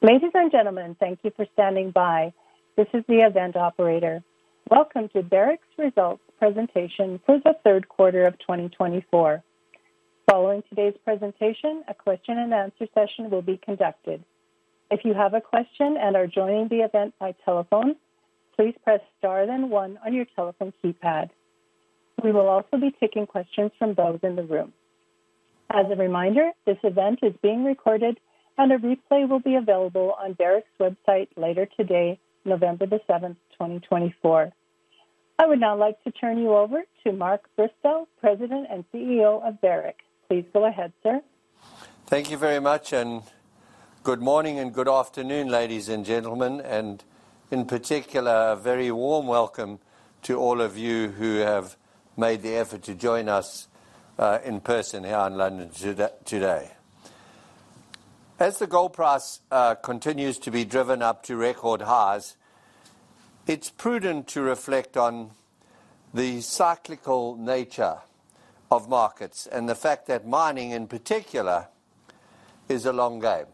Ladies and gentlemen, thank you for standing by. This is the event operator. Welcome to Barrick's results presentation for the third quarter of 2024. Following today's presentation, a question-and-answer session will be conducted. If you have a question and are joining the event by telephone, please press star then one on your telephone keypad. We will also be taking questions from those in the room. As a reminder, this event is being recorded, and a replay will be available on Barrick's website later today, November the 7th, 2024. I would now like to turn you over to Mark Bristow, President and CEO of Barrick. Please go ahead, sir. Thank you very much, and good morning and good afternoon, ladies and gentlemen, and in particular, a very warm welcome to all of you who have made the effort to join us in person here in London today. As the gold price continues to be driven up to record highs, it's prudent to reflect on the cyclical nature of markets and the fact that mining, in particular, is a long game.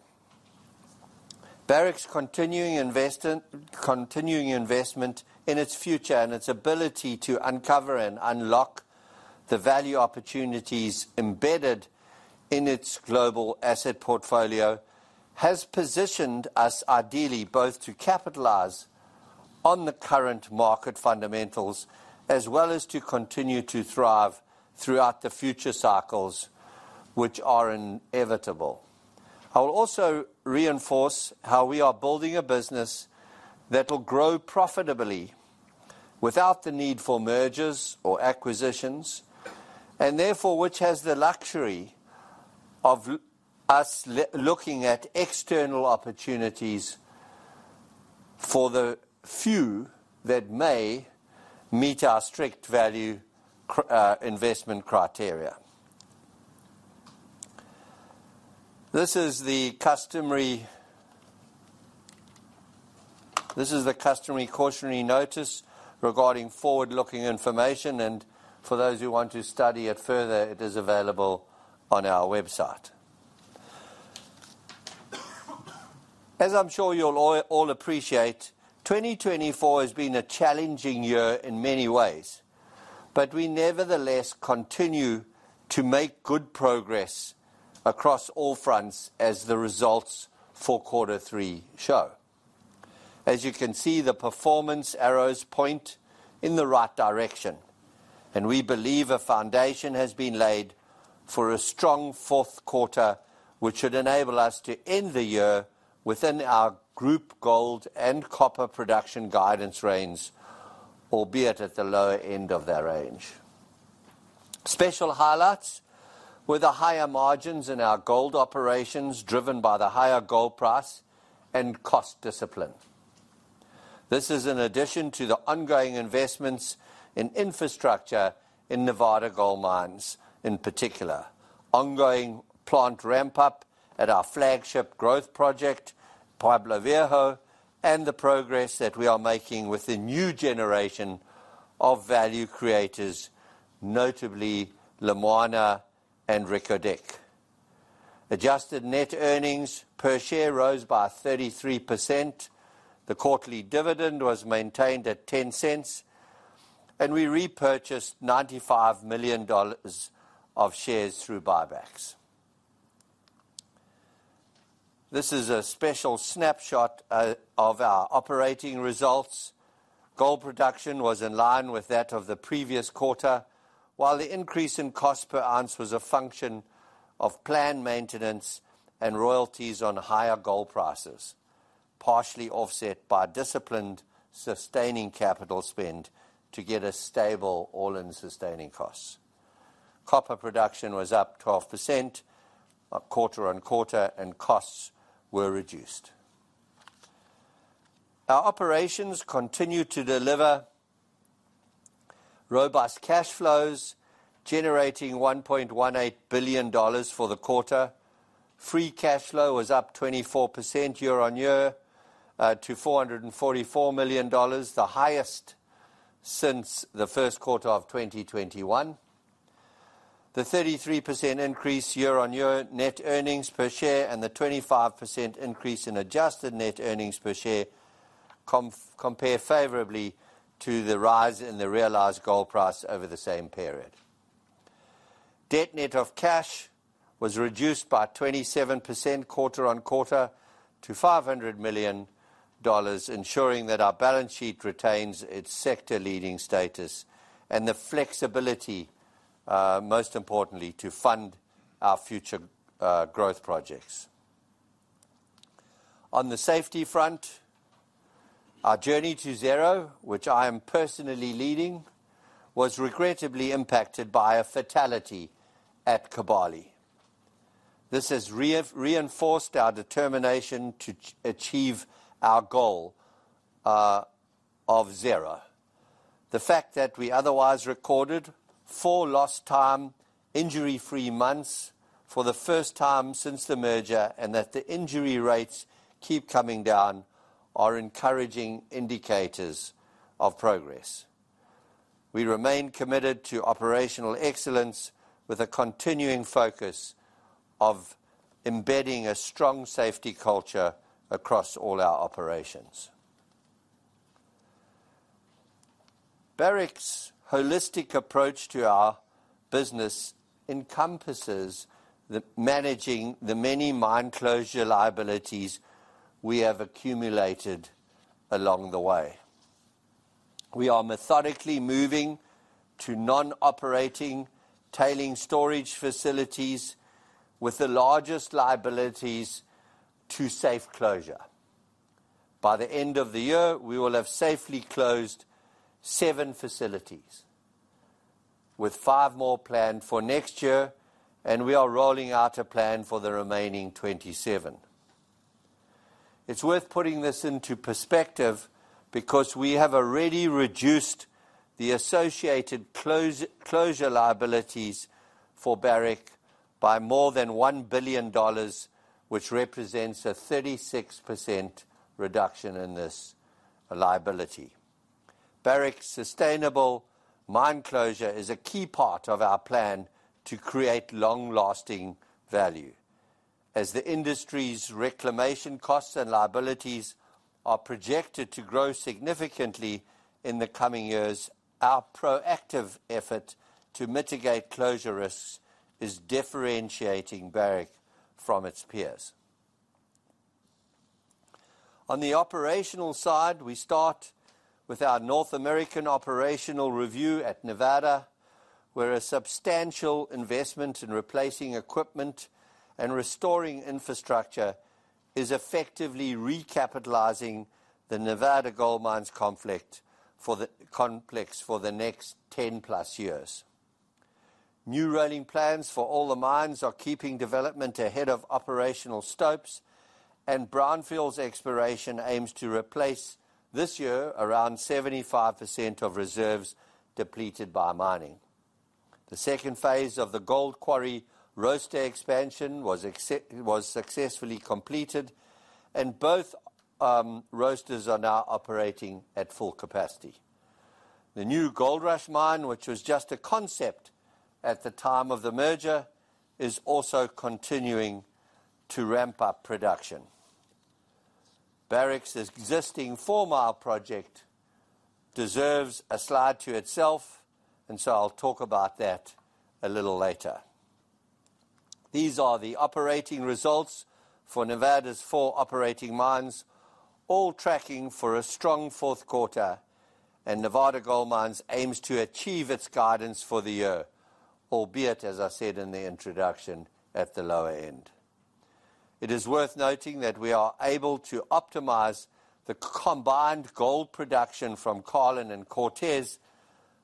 Barrick's continuing investment in its future and its ability to uncover and unlock the value opportunities embedded in its global asset portfolio has positioned us ideally both to capitalize on the current market fundamentals as well as to continue to thrive throughout the future cycles, which are inevitable. I will also reinforce how we are building a business that will grow profitably without the need for mergers or acquisitions, and therefore which has the luxury of us looking at external opportunities for the few that may meet our strict value investment criteria. This is the customary cautionary notice regarding forward-looking information, and for those who want to study it further, it is available on our website. As I'm sure you'll all appreciate, 2024 has been a challenging year in many ways, but we nevertheless continue to make good progress across all fronts as the results for quarter three show. As you can see, the performance arrows point in the right direction, and we believe a foundation has been laid for a strong fourth quarter, which should enable us to end the year within our group gold and copper production guidance range, albeit at the lower end of that range. Special highlights were the higher margins in our gold operations driven by the higher gold price and cost discipline. This is in addition to the ongoing investments in infrastructure in Nevada Gold Mines in particular, ongoing plant ramp-up at our flagship growth project, Pueblo Viejo, and the progress that we are making with the new generation of value creators, notably Lumwana and Reko Diq. Adjusted net earnings per share rose by 33%. The quarterly dividend was maintained at $0.10, and we repurchased $95 million of shares through buybacks. This is a special snapshot of our operating results. Gold production was in line with that of the previous quarter, while the increase in cost per ounce was a function of planned maintenance and royalties on higher gold prices, partially offset by disciplined sustaining capital spend to get a stable all-in sustaining costs. Copper production was up 12% quarter on quarter, and costs were reduced. Our operations continue to deliver robust cash flows, generating $1.18 billion for the quarter. Free cash flow was up 24% year on year to $444 million, the highest since the first quarter of 2021. The 33% increase year on year net earnings per share and the 25% increase in adjusted net earnings per share compare favorably to the rise in the realized gold price over the same period. Debt net of cash was reduced by 27% quarter on quarter to $500 million, ensuring that our balance sheet retains its sector-leading status and the flexibility, most importantly, to fund our future growth projects. On the safety front, our journey to zero, which I am personally leading, was regrettably impacted by a fatality at Kibali. This has reinforced our determination to achieve our goal of zero. The fact that we otherwise recorded four lost time, injury-free months for the first time since the merger and that the injury rates keep coming down are encouraging indicators of progress. We remain committed to operational excellence with a continuing focus of embedding a strong safety culture across all our operations. Barrick's holistic approach to our business encompasses managing the many mine closure liabilities we have accumulated along the way. We are methodically moving to non-operating tailings storage facilities with the largest liabilities to safe closure. By the end of the year, we will have safely closed seven facilities, with five more planned for next year, and we are rolling out a plan for the remaining 27. It's worth putting this into perspective because we have already reduced the associated closure liabilities for Barrick by more than $1 billion, which represents a 36% reduction in this liability. Barrick's sustainable mine closure is a key part of our plan to create long-lasting value. As the industry's reclamation costs and liabilities are projected to grow significantly in the coming years, our proactive effort to mitigate closure risks is differentiating Barrick from its peers. On the operational side, we start with our North American operational review at Nevada, where a substantial investment in replacing equipment and restoring infrastructure is effectively recapitalizing the Nevada Gold Mines complex for the next 10+ years. New rolling plans for all the mines are keeping development ahead of operational stops, and brownfields exploration aims to replace this year around 75% of reserves depleted by mining. The second phase of the Gold Quarry roaster expansion was successfully completed, and both roasters are now operating at full capacity. The new Goldrush Mine, which was just a concept at the time of the merger, is also continuing to ramp up production. Barrick's existing Fourmile project deserves a slide to itself, and so I'll talk about that a little later. These are the operating results for Nevada's four operating mines, all tracking for a strong fourth quarter, and Nevada Gold Mines aims to achieve its guidance for the year, albeit, as I said in the introduction, at the lower end. It is worth noting that we are able to optimize the combined gold production from Carlin and Cortez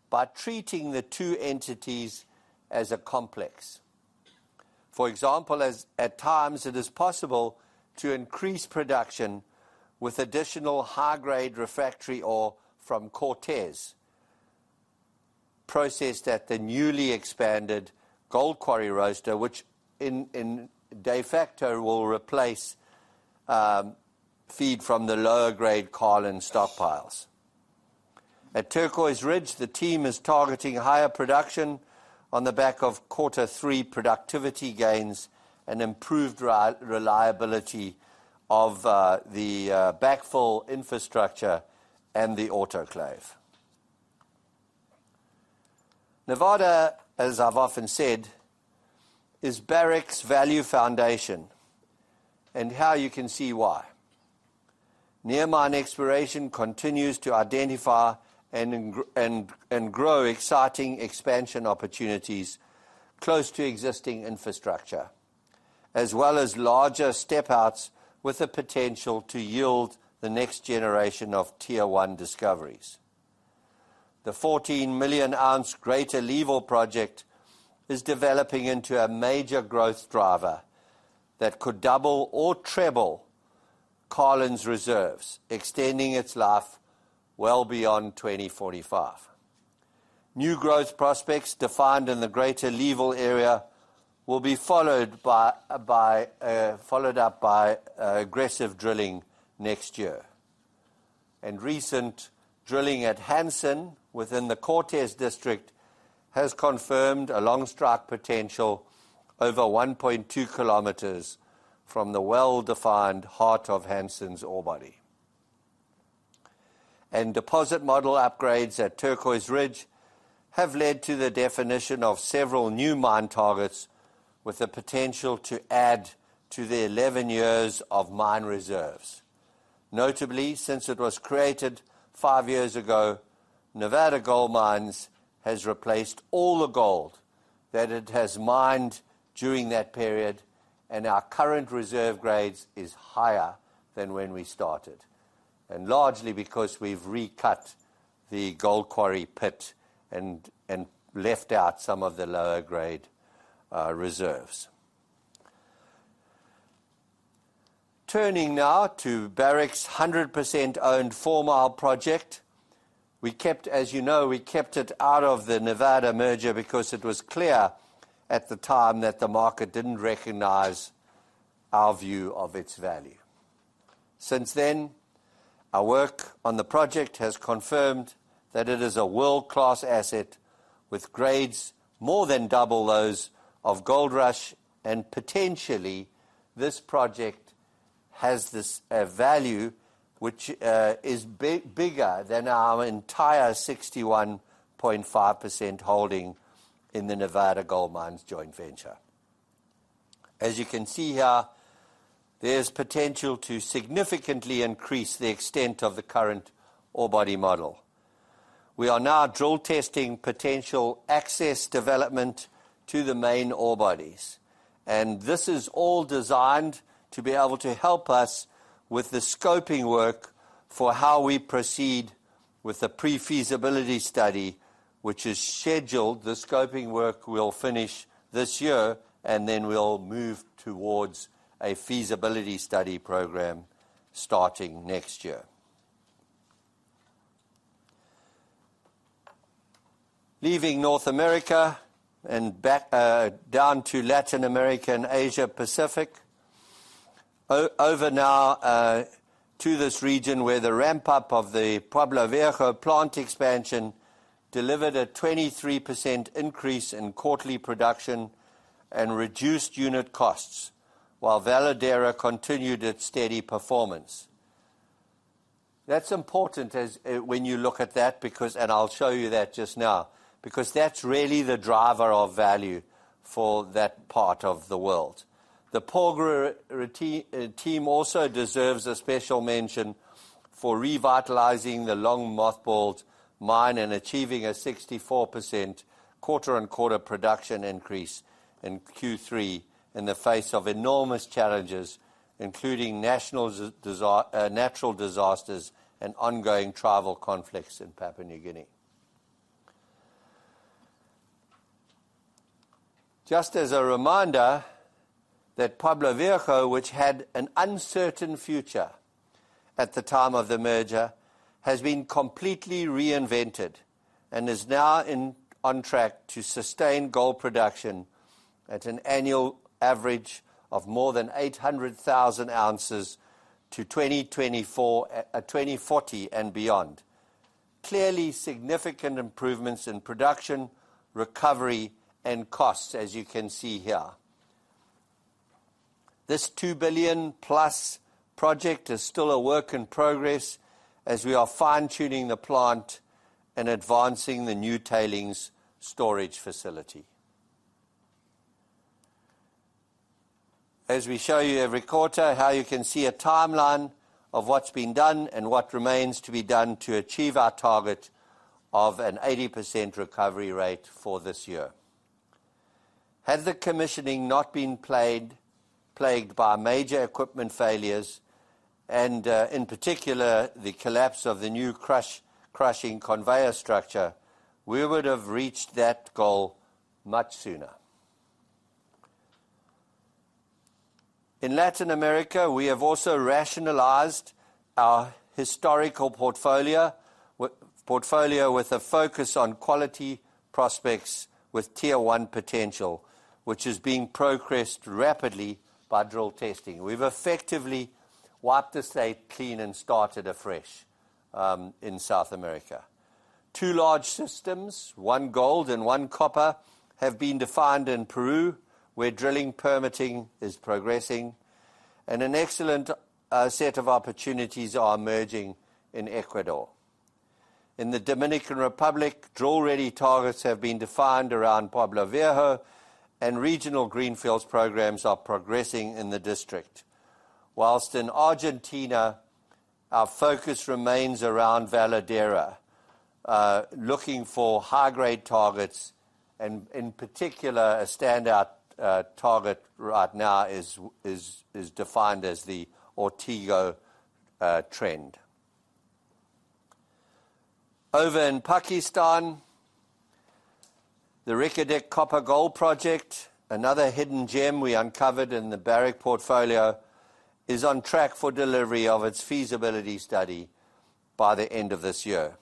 by treating the two entities as a complex. For example, at times, it is possible to increase production with additional high-grade refractory ore from Cortez, processed at the newly expanded Gold Quarry roaster, which in effect will replace feed from the lower-grade Carlin stockpiles. At Turquoise Ridge, the team is targeting higher production on the back of quarter three productivity gains and improved reliability of the backfill infrastructure and the autoclave. Nevada, as I've often said, is Barrick's value foundation, and now you can see why. Near mine exploration continues to identify and grow exciting expansion opportunities close to existing infrastructure, as well as larger step-outs with the potential to yield the next generation of Tier One discoveries. The 14 million-ounce Greater Leeville project is developing into a major growth driver that could double or treble Carlin's reserves, extending its life well beyond 2045. New growth prospects defined in the Greater Leeville area will be followed up by aggressive drilling next year. Recent drilling at Hanson within the Cortez district has confirmed a long strike potential over 1.2 km from the well-defined heart of Hanson's ore body. Deposit model upgrades at Turquoise Ridge have led to the definition of several new mine targets with the potential to add to the 11 years of mine reserves. Notably, since it was created five years ago, Nevada Gold Mines has replaced all the gold that it has mined during that period, and our current reserve grades is higher than when we started, and largely because we've recut the Gold Quarry pit and left out some of the lower-grade reserves. Turning now to Barrick's 100% owned Fourmile project, as you know, we kept it out of the Nevada merger because it was clear at the time that the market didn't recognize our view of its value. Since then, our work on the project has confirmed that it is a world-class asset with grades more than double those of Goldrush, and potentially this project has a value which is bigger than our entire 61.5% holding in the Nevada Gold Mines joint venture. As you can see here, there's potential to significantly increase the extent of the current ore body model. We are now drill testing potential access development to the main ore bodies, and this is all designed to be able to help us with the scoping work for how we proceed with the pre-feasibility study, which is scheduled. The scoping work will finish this year, and then we'll move towards a feasibility study program starting next year. Leaving North America and down to Latin America and Asia-Pacific, over now to this region where the ramp-up of the Pueblo Viejo plant expansion delivered a 23% increase in quarterly production and reduced unit costs, while Veladero continued its steady performance. That's important when you look at that, and I'll show you that just now, because that's really the driver of value for that part of the world. The Porgera team also deserves a special mention for revitalizing the long-mothballed mine and achieving a 64% quarter-on-quarter production increase in Q3 in the face of enormous challenges, including natural disasters and ongoing tribal conflicts in Papua New Guinea. Just as a reminder, that Pueblo Viejo, which had an uncertain future at the time of the merger, has been completely reinvented and is now on track to sustain gold production at an annual average of more than 800,000 ounces to 2040 and beyond. Clearly, significant improvements in production, recovery, and costs, as you can see here. This $2+ billion project is still a work in progress as we are fine-tuning the plant and advancing the new tailings storage facility. As we show you every quarter, how you can see a timeline of what's been done and what remains to be done to achieve our target of an 80% recovery rate for this year. Had the commissioning not been plagued by major equipment failures, and in particular, the collapse of the new crushing conveyor structure, we would have reached that goal much sooner. In Latin America, we have also rationalized our historical portfolio with a focus on quality prospects with Tier One potential, which is being progressed rapidly by drill testing. We've effectively wiped the slate clean and started afresh in South America. Two large systems, one gold and one copper, have been defined in Peru, where drilling permitting is progressing, and an excellent set of opportunities are emerging in Ecuador. In the Dominican Republic, drill-ready targets have been defined around Pueblo Viejo, and regional greenfields programs are progressing in the district. While in Argentina, our focus remains around Veladero, looking for high-grade targets, and in particular, a standout target right now is defined as the Ortiguita. Over in Pakistan, the Reko Diq Copper Gold Project, another hidden gem we uncovered in the Barrick portfolio, is on track for delivery of its feasibility study by the end of this year.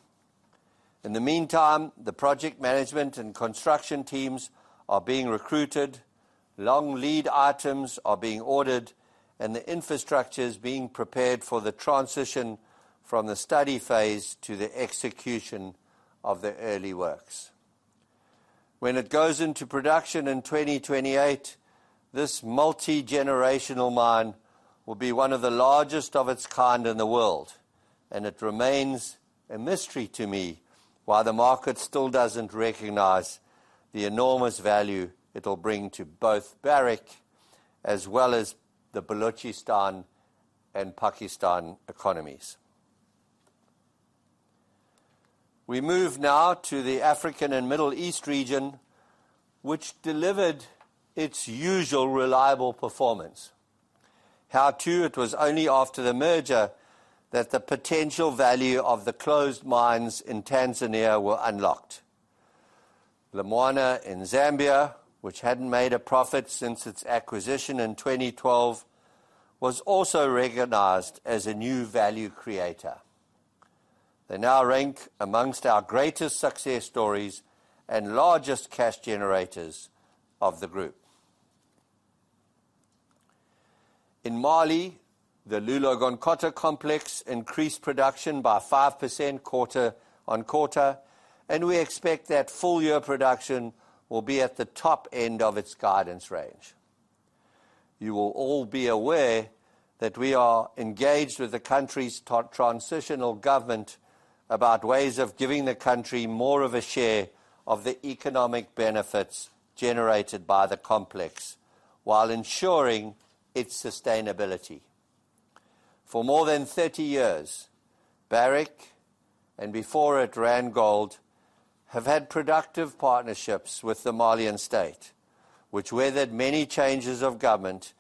In the meantime, the project management and construction teams are being recruited, long lead items are being ordered, and the infrastructure is being prepared for the transition from the study phase to the execution of the early works. When it goes into production in 2028, this multi-generational mine will be one of the largest of its kind in the world, and it remains a mystery to me why the market still doesn't recognize the enormous value it'll bring to both Barrick as well as the Balochistan and Pakistan economies. We move now to the African and Middle East region, which delivered its usual reliable performance. However, it was only after the merger that the potential value of the closed mines in Tanzania were unlocked. Lumwana in Zambia, which hadn't made a profit since its acquisition in 2012, was also recognized as a new value creator. They now rank amongst our greatest success stories and largest cash generators of the group. In Mali, the Loulo-Gounkoto complex increased production by 5% quarter on quarter, and we expect that full year production will be at the top end of its guidance range. You will all be aware that we are engaged with the country's transitional government about ways of giving the country more of a share of the economic benefits generated by the complex while ensuring its sustainability. For more than 30 years, Barrick, and before it, Randgold, have had productive partnerships with the Malian state, which weathered many changes of government,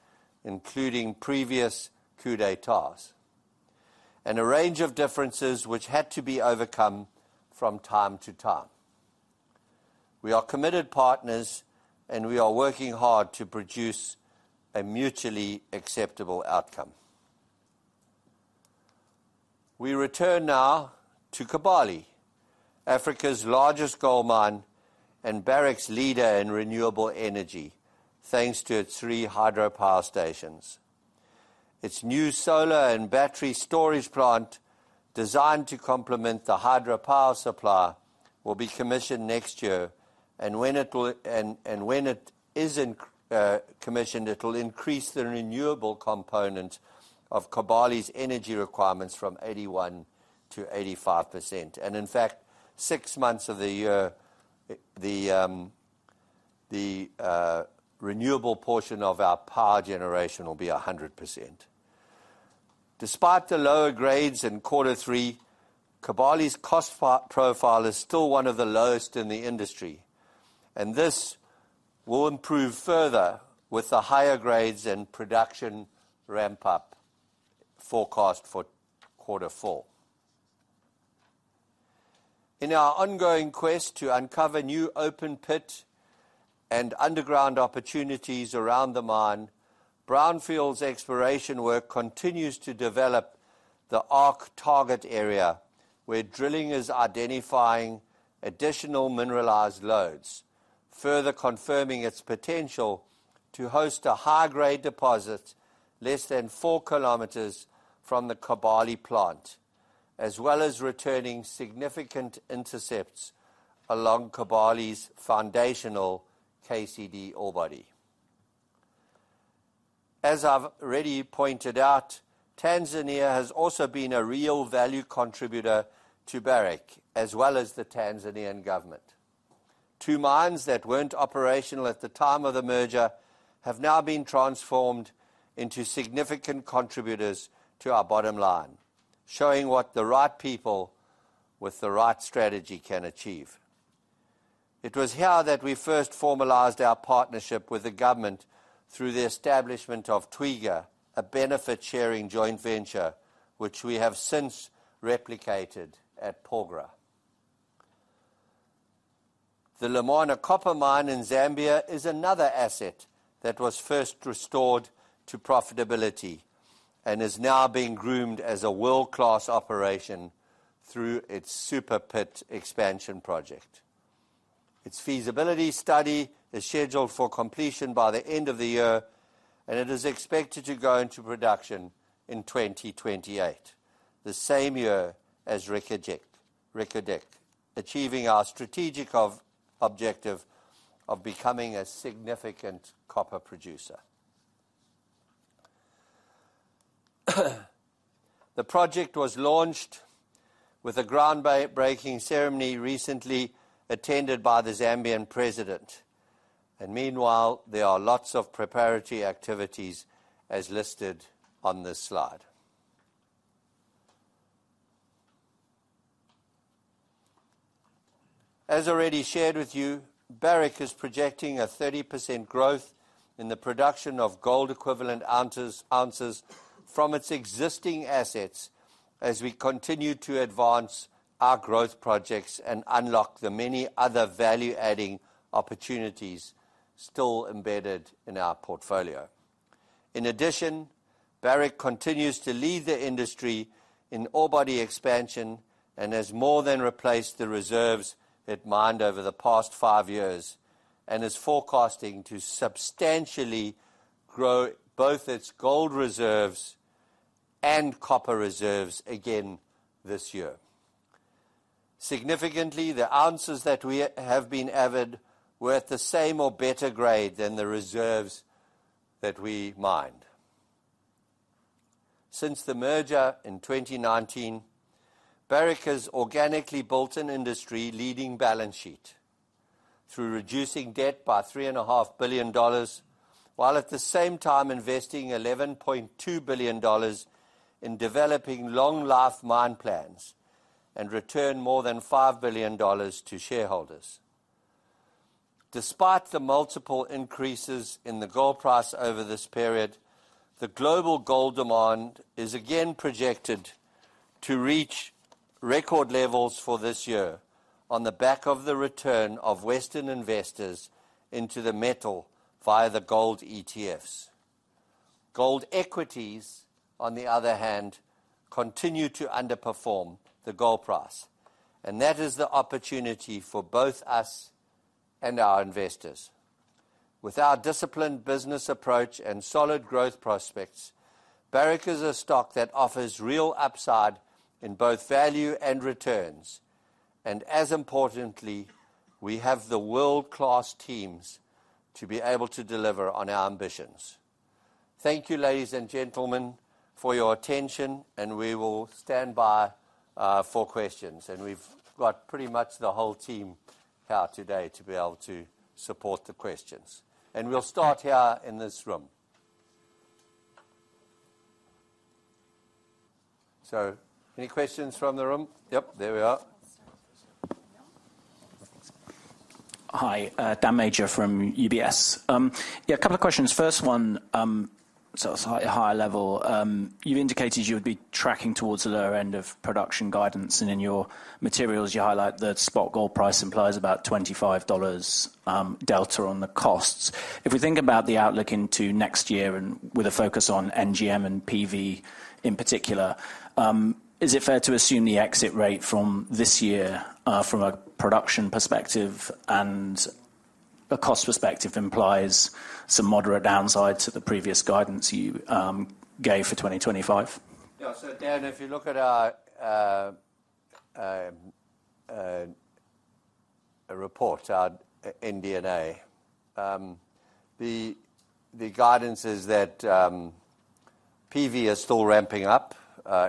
including previous coup d'états, and a range of differences which had to be overcome from time to time. We are committed partners, and we are working hard to produce a mutually acceptable outcome. We return now to Kibali, Africa's largest gold mine and Barrick's leader in renewable energy, thanks to its three hydropower stations. Its new solar and battery storage plant, designed to complement the hydropower supply, will be commissioned next year, and when it is commissioned, it'll increase the renewable component of Kibali's energy requirements from 81% to 85%. And in fact, six months of the year, the renewable portion of our power generation will be 100%. Despite the lower grades in quarter three, Kibali's cost profile is still one of the lowest in the industry, and this will improve further with the higher grades and production ramp-up forecast for quarter four. In our ongoing quest to uncover new open pit and underground opportunities around the mine, brownfields exploration work continues to develop the ARC target area, where drilling is identifying additional mineralized loads, further confirming its potential to host a high-grade deposit less than four kilometers from the Kibali plant, as well as returning significant intercepts along Kibali's foundational KCD ore body. As I've already pointed out, Tanzania has also been a real value contributor to Barrick, as well as the Tanzanian government. Two mines that weren't operational at the time of the merger have now been transformed into significant contributors to our bottom line, showing what the right people with the right strategy can achieve. It was here that we first formalized our partnership with the government through the establishment of Twiga, a benefit-sharing joint venture, which we have since replicated at Porgera. The Lumwana Copper Mine in Zambia is another asset that was first restored to profitability and is now being groomed as a world-class operation through its Super Pit expansion project. Its feasibility study is scheduled for completion by the end of the year, and it is expected to go into production in 2028, the same year as Reko Diq, achieving our strategic objective of becoming a significant copper producer. The project was launched with a groundbreaking ceremony recently attended by the Zambian president, and meanwhile, there are lots of preparatory activities as listed on this slide. As already shared with you, Barrick is projecting a 30% growth in the production of gold-equivalent ounces from its existing assets as we continue to advance our growth projects and unlock the many other value-adding opportunities still embedded in our portfolio. In addition, Barrick continues to lead the industry in ore body expansion and has more than replaced the reserves it mined over the past five years and is forecasting to substantially grow both its gold reserves and copper reserves again this year. Significantly, the ounces that we have added averaged at the same or better grade than the reserves that we mined. Since the merger in 2019, Barrick has organically built an industry leading balance sheet through reducing debt by $3.5 billion, while at the same time investing $11.2 billion in developing long-life mine plans and returned more than $5 billion to shareholders. Despite the multiple increases in the gold price over this period, the global gold demand is again projected to reach record levels for this year on the back of the return of Western investors into the metal via the gold ETFs. Gold equities, on the other hand, continue to underperform the gold price, and that is the opportunity for both us and our investors. With our disciplined business approach and solid growth prospects, Barrick is a stock that offers real upside in both value and returns, and as importantly, we have the world-class teams to be able to deliver on our ambitions. Thank you, ladies and gentlemen, for your attention, and we will stand by for questions. And we've got pretty much the whole team here today to be able to support the questions. And we'll start here in this room. So, any questions from the room? Yep, there we are. Hi, Dan Major from UBS. Yeah, a couple of questions. First one, so slightly higher level, you've indicated you would be tracking towards the lower end of production guidance, and in your materials, you highlight the spot gold price implies about $25 delta on the costs. If we think about the outlook into next year and with a focus on NGM and PV in particular, is it fair to assume the exit rate from this year from a production perspective and a cost perspective implies some moderate downside to the previous guidance you gave for 2025? Yeah, so Dan, if you look at our report, our NGM, the guidance is that PV is still ramping up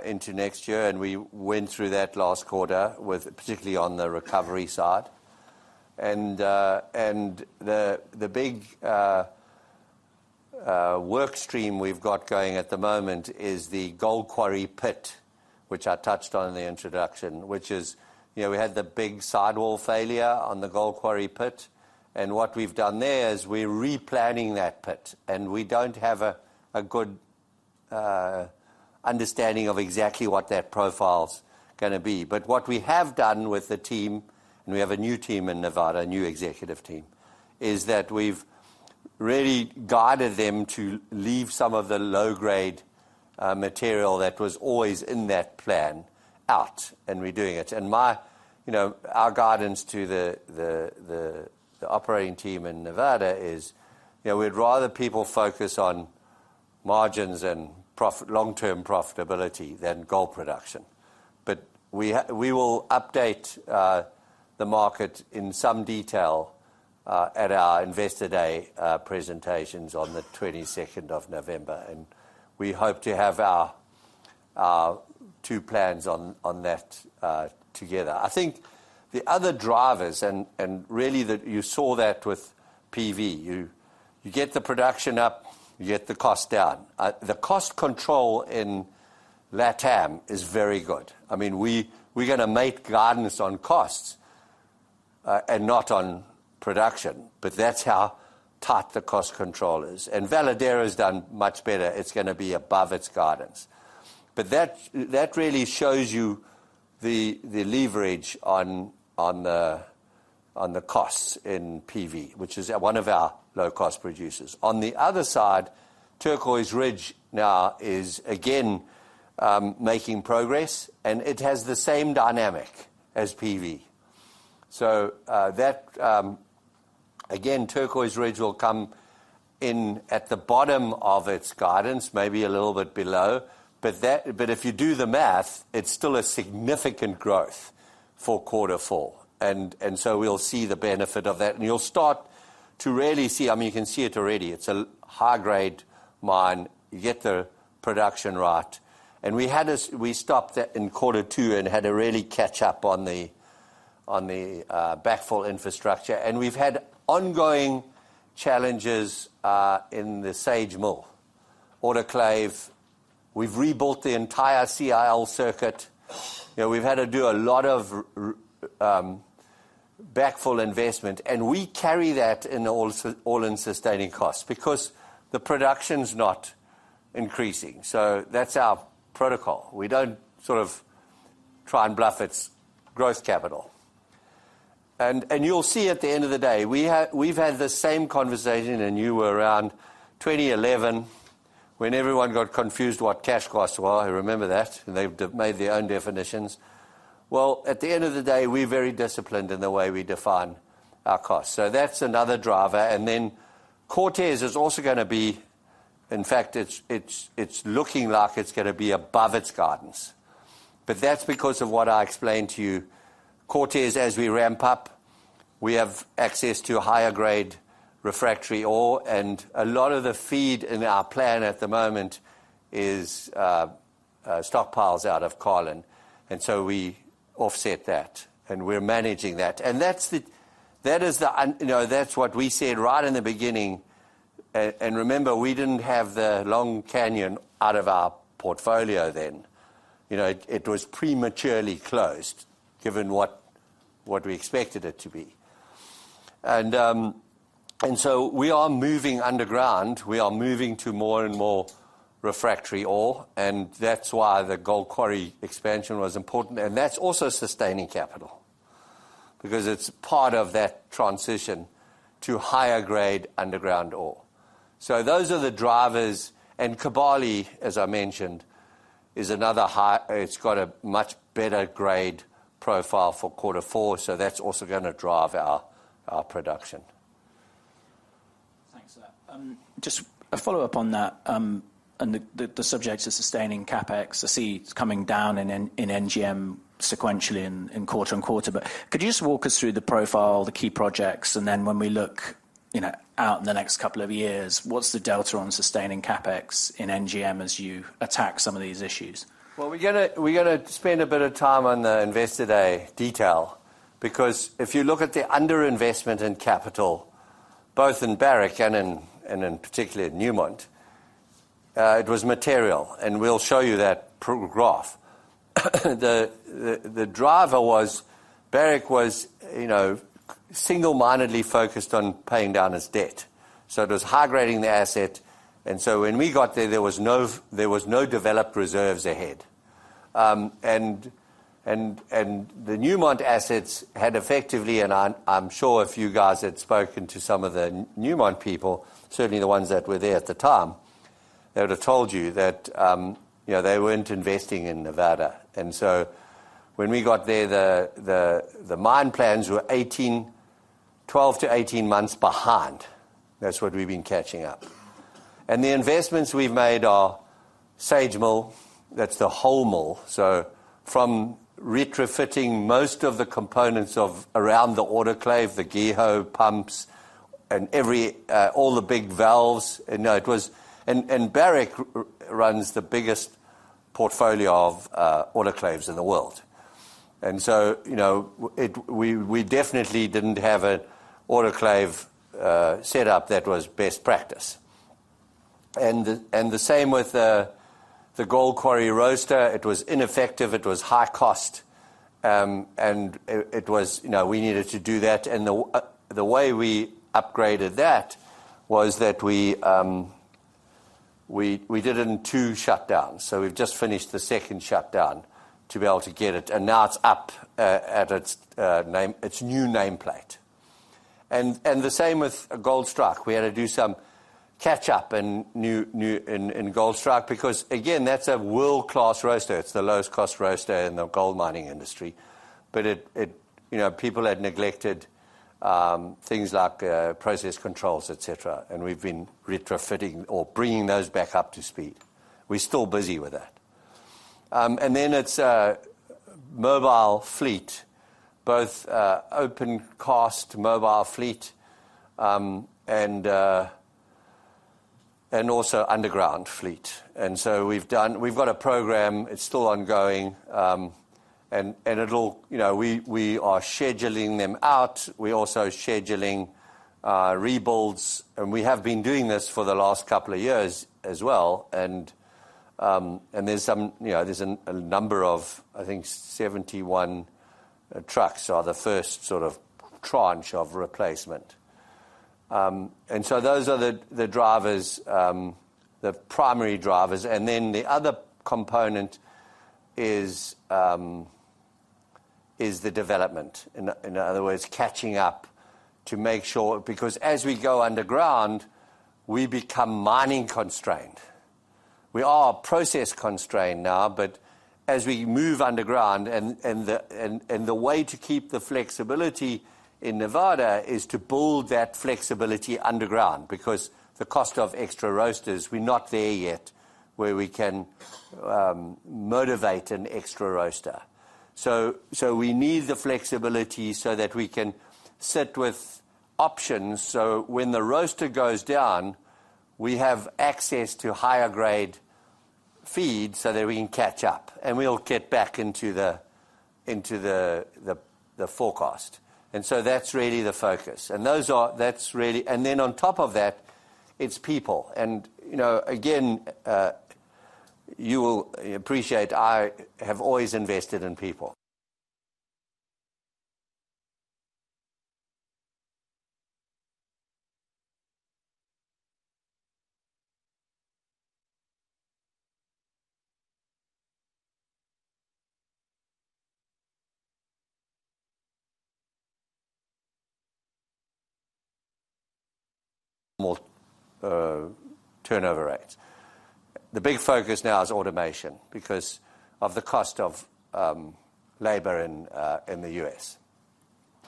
into next year, and we went through that last quarter, particularly on the recovery side, and the big work stream we've got going at the moment is the Gold Quarry pit, which I touched on in the introduction, which is we had the big sidewall failure on the Gold Quarry pit, and what we've done there is we're replanning that pit, and we don't have a good understanding of exactly what that profile's going to be. But what we have done with the team, and we have a new team in Nevada, a new executive team, is that we've really guided them to leave some of the low-grade material that was always in that plan out and redoing it. Our guidance to the operating team in Nevada is we'd rather people focus on margins and long-term profitability than gold production. But we will update the market in some detail at our Investor Day presentations on the 22nd of November, and we hope to have our two plans on that together. I think the other drivers, and really that you saw that with PV, you get the production up, you get the cost down. The cost control in LATAM is very good. I mean, we're going to make guidance on costs and not on production, but that's how tight the cost control is. And Veladero has done much better. It's going to be above its guidance. But that really shows you the leverage on the costs in PV, which is one of our low-cost producers. On the other side, Turquoise Ridge now is again making progress, and it has the same dynamic as PV. So that, again, Turquoise Ridge will come in at the bottom of its guidance, maybe a little bit below, but if you do the math, it's still a significant growth for quarter four. And so we'll see the benefit of that, and you'll start to really see, I mean, you can see it already. It's a high-grade mine. You get the production right. And we stopped that in quarter two and had a really catch-up on the backfill infrastructure. And we've had ongoing challenges in the SAG mill, autoclave. We've rebuilt the entire CIL circuit. We've had to do a lot of backfill investment, and we carry that in all-in sustaining costs because the production's not increasing. So that's our protocol. We don't sort of try and bluff its growth capital. And you'll see at the end of the day, we've had the same conversation and you were around 2011 when everyone got confused what cash costs were. I remember that. They made their own definitions. Well, at the end of the day, we're very disciplined in the way we define our costs. So that's another driver. And then Cortez is also going to be, in fact, it's looking like it's going to be above its guidance. But that's because of what I explained to you. Cortez, as we ramp up, we have access to higher-grade refractory ore, and a lot of the feed in our plan at the moment is stockpiles out of Carlin. And so we offset that, and we're managing that. And that is what we said right in the beginning. Remember, we didn't have the Long Canyon out of our portfolio then. It was prematurely closed given what we expected it to be. We are moving underground. We are moving to more and more refractory ore, and that's why the Gold Quarry expansion was important. That's also sustaining capital because it's part of that transition to higher-grade underground ore. Those are the drivers. Kibali, as I mentioned, is another high. It's got a much better grade profile for quarter four, so that's also going to drive our production. Thanks for that. Just a follow-up on that. The subject is sustaining CapEx. I see it's coming down in NGM sequentially in quarter on quarter. But could you just walk us through the profile, the key projects, and then when we look out in the next couple of years, what's the delta on sustaining CapEx in NGM as you attack some of these issues? Well, we're going to spend a bit of time on the Investor Day detail because if you look at the underinvestment in capital, both in Barrick and, in particular, at Newmont, it was material, and we'll show you that graph. The driver was Barrick was single-mindedly focused on paying down its debt. So it was high-grading the asset, and so when we got there, there were no developed reserves ahead. And the Newmont assets had effectively, and I'm sure if you guys had spoken to some of the Newmont people, certainly the ones that were there at the time, they would have told you that they weren't investing in Nevada. And so when we got there, the mine plans were 12-18 months behind. That's what we've been catching up. And the investments we've made are SAG mill, that's the whole mill. So from retrofitting most of the components around the autoclave, the GEHOs, pumps, and all the big valves. And Barrick runs the biggest portfolio of autoclaves in the world. And so we definitely didn't have an autoclave setup that was best practice. And the same with the Gold Quarry roaster. It was ineffective. It was high cost, and we needed to do that. And the way we upgraded that was that we did it in two shutdowns. So we've just finished the second shutdown to be able to get it, and now it's up at its new nameplate. And the same with Goldstrike. We had to do some catch-up in Goldstrike because, again, that's a world-class roaster. It's the lowest cost roaster in the gold mining industry, but people had neglected things like process controls, etc., and we've been retrofitting or bringing those back up to speed. We're still busy with that, and then it's a mobile fleet, both open pit mobile fleet and also underground fleet, and so we've got a program. It's still ongoing, and we are scheduling them out. We're also scheduling rebuilds, and we have been doing this for the last couple of years as well, and there's a number of, I think, 71 trucks are the first sort of tranche of replacement, and so those are the drivers, the primary drivers, and then the other component is the development. In other words, catching up to make sure because as we go underground, we become mining constrained. We are process constrained now, but as we move underground, and the way to keep the flexibility in Nevada is to build that flexibility underground because the cost of extra roasters, we're not there yet where we can motivate an extra roaster. So we need the flexibility so that we can sit with options so when the roaster goes down, we have access to higher-grade feed so that we can catch up, and we'll get back into the forecast, and so that's really the focus. And then on top of that, it's people, and again, you will appreciate I have always invested in people. More turnover rates. The big focus now is automation because of the cost of labor in the U.S.,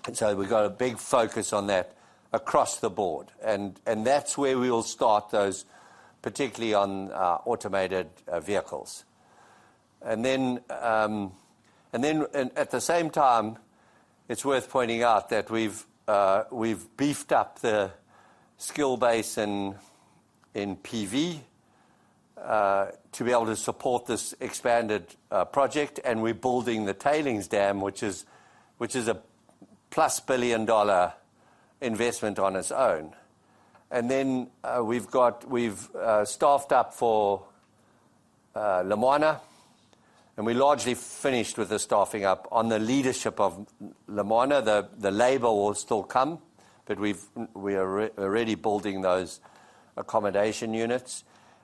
and so we've got a big focus on that across the board, and that's where we will start those, particularly on automated vehicles. And then at the same time, it's worth pointing out that we've beefed up the skill base in PV to be able to support this expanded project, and we're building the tailings dam, which is a $1+ billion investment on its own, and then we've staffed up for Lumwana, and we largely finished with the staffing up on the leadership of Lumwana. The labor will still come, but we're already building those accommodation units,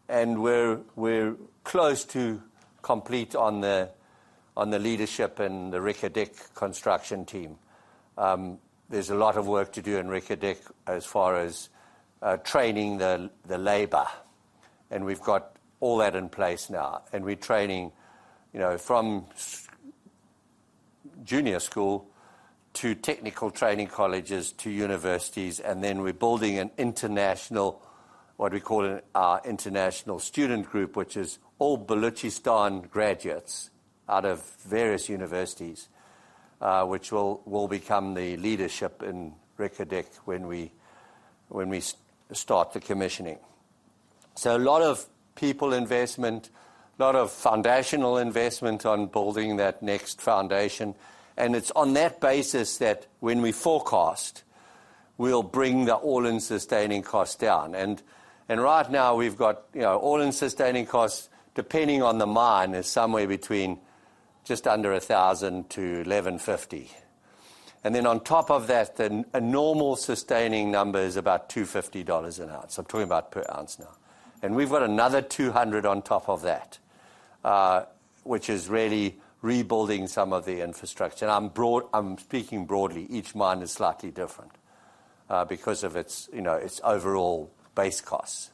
and we're close to complete on the leadership and the Reko Diq construction team. There's a lot of work to do in Reko Diq as far as training the labor, and we've got all that in place now. And we're training from junior school to technical training colleges to universities, and then we're building an international, what we call an international student group, which is all Balochistan graduates out of various universities, which will become the leadership in Reko Diq when we start the commissioning. So a lot of people investment, a lot of foundational investment on building that next foundation, and it's on that basis that when we forecast, we'll bring the all-in sustaining cost down. And right now, we've got all-in sustaining costs, depending on the mine, is somewhere between just under $1,000-$1,150. And then on top of that, the normal sustaining number is about $250 an ounce. I'm talking about per ounce now. And we've got another $200 on top of that, which is really rebuilding some of the infrastructure. And I'm speaking broadly. Each mine is slightly different because of its overall base costs.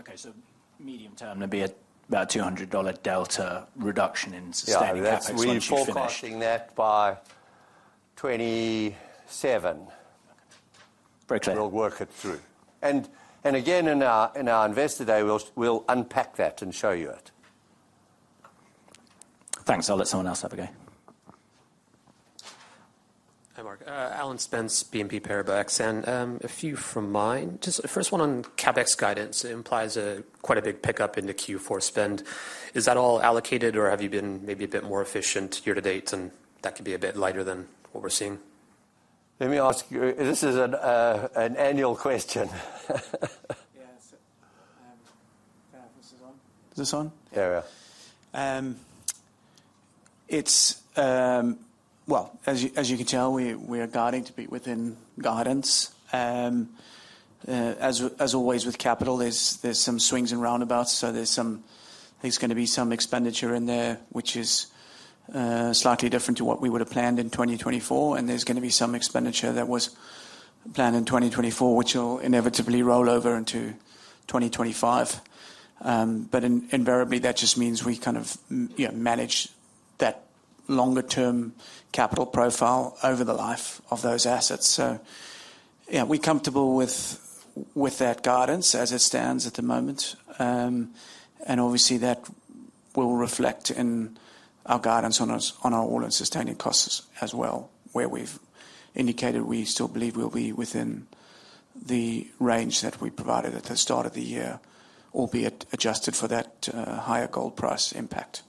Okay. So medium term, there'll be about $200 delta reduction in sustaining capital expenses. Yeah. We're forecasting that by 2027. We'll work it through. And again, in our Investor Day, we'll unpack that and show you it. Thanks. I'll let someone else have a go. Hi, Mark. Alan Spence, BNP Paribas Exane. A few from me. Just the first one on CapEx guidance. It implies quite a big pickup in the Q4 spend. Is that all allocated, or have you been maybe a bit more efficient year to date, and that could be a bit lighter than what we're seeing? Well, as you can tell, we are guiding to be within guidance. As always with capital, there's some swings and roundabouts, so there's going to be some expenditure in there, which is slightly different to what we would have planned in 2024. And there's going to be some expenditure that was planned in 2024, which will inevitably roll over into 2025. But invariably, that just means we kind of manage that longer-term capital profile over the life of those assets. So yeah, we're comfortable with that guidance as it stands at the moment. And obviously, that will reflect in our guidance on our all-in sustaining costs as well, where we've indicated we still believe we'll be within the range that we provided at the start of the year, albeit adjusted for that higher gold price impact.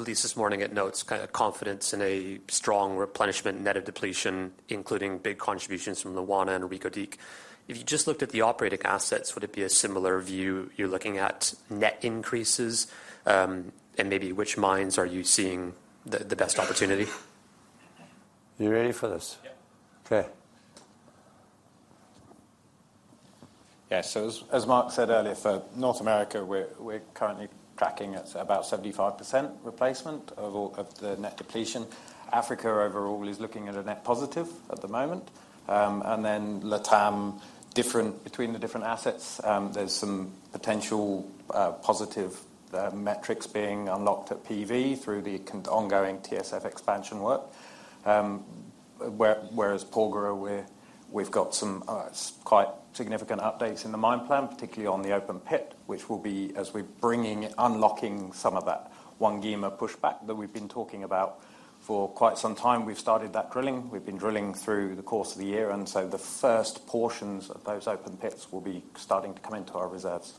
Okay. On reserve replenishment, and I believe this morning at notes, kind of confidence in a strong replenishment, net of depletion, including big contributions from Lumwana and Reko Diq. If you just looked at the operating assets, would it be a similar view? You're looking at net increases, and maybe which mines are you seeing the best opportunity? You ready for this? Yeah. Okay. Yeah. So as Mark said earlier, for North America, we're currently tracking at about 75% replacement of the net depletion. Africa, overall, is looking at a net positive at the moment. And then Latam, different between the different assets, there's some potential positive metrics being unlocked at PV through the ongoing TSF expansion work. Whereas Porgera, we've got some quite significant updates in the mine plan, particularly on the open pit, which will be as we're bringing, unlocking some of that Wangima pushback that we've been talking about for quite some time. We've started that drilling. We've been drilling through the course of the year, and so the first portions of those open pits will be starting to come into our reserves.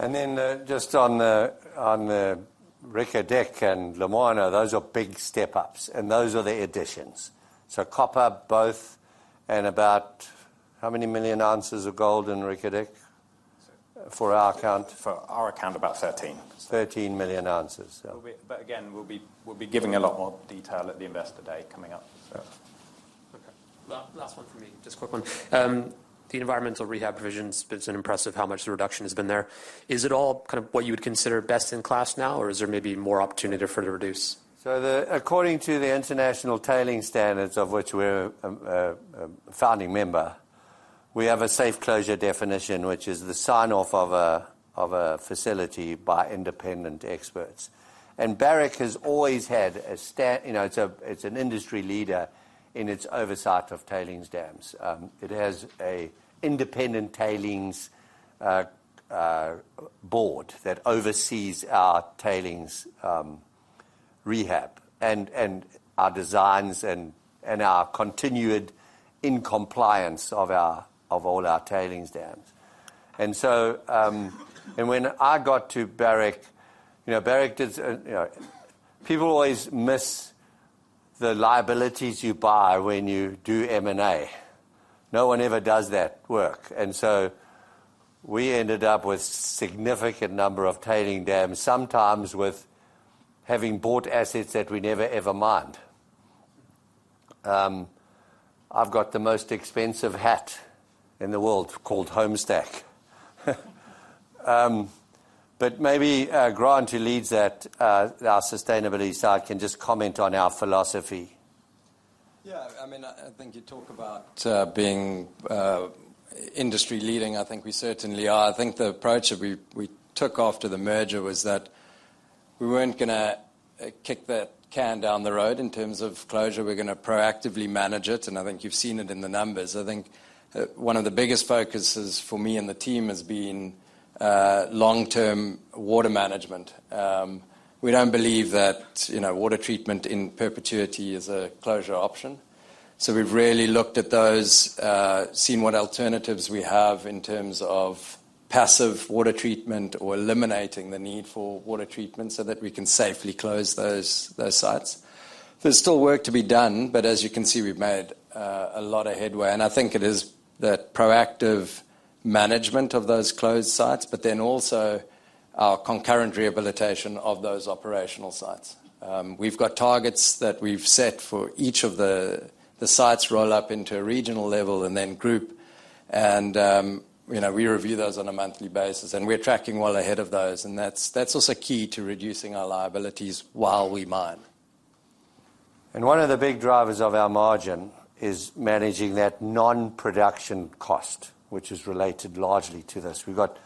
And then just on the Reko Diq and Lumwana, those are big step-ups, and those are the additions. So copper, both, and about how many million ounces of gold in Reko Diq for our account? For our account, about 13. 13 million ounces. But again, we'll be giving a lot more detail at the Investor Day coming up, so. Okay. Last one from me, just a quick one. The environmental rehab provisions, it's been impressive how much the reduction has been there. Is it all kind of what you would consider best in class now, or is there maybe more opportunity to further reduce? So according to the international tailings standards of which we're a founding member, we have a safe closure definition, which is the sign-off of a facility by independent experts. And Barrick has always had a stance. It's an industry leader in its oversight of tailings dams. It has an independent tailings board that oversees our tailings rehab and our designs and our continued compliance of all our tailings dams. And when I got to Barrick, people always miss the liabilities you buy when you do M&A. No one ever does that work. And so we ended up with a significant number of tailings dams, sometimes with having bought assets that we never, ever mined. I've got the most expensive hat in the world called Homestake. But maybe Grant, who leads that, our sustainability side, can just comment on our philosophy. Yeah. I mean, I think you talk about being industry leading. I think we certainly are. I think the approach that we took after the merger was that we weren't going to kick that can down the road in terms of closure. We're going to proactively manage it, and I think you've seen it in the numbers. I think one of the biggest focuses for me and the team has been long-term water management. We don't believe that water treatment in perpetuity is a closure option. So we've really looked at those, seen what alternatives we have in terms of passive water treatment or eliminating the need for water treatment so that we can safely close those sites. There's still work to be done, but as you can see, we've made a lot of headway. I think it is that proactive management of those closed sites, but then also our concurrent rehabilitation of those operational sites. We've got targets that we've set for each of the sites roll up into a regional level and then group, and we review those on a monthly basis. And we're tracking well ahead of those, and that's also key to reducing our liabilities while we mine. And one of the big drivers of our margin is managing that non-production cost, which is related largely to this. We've got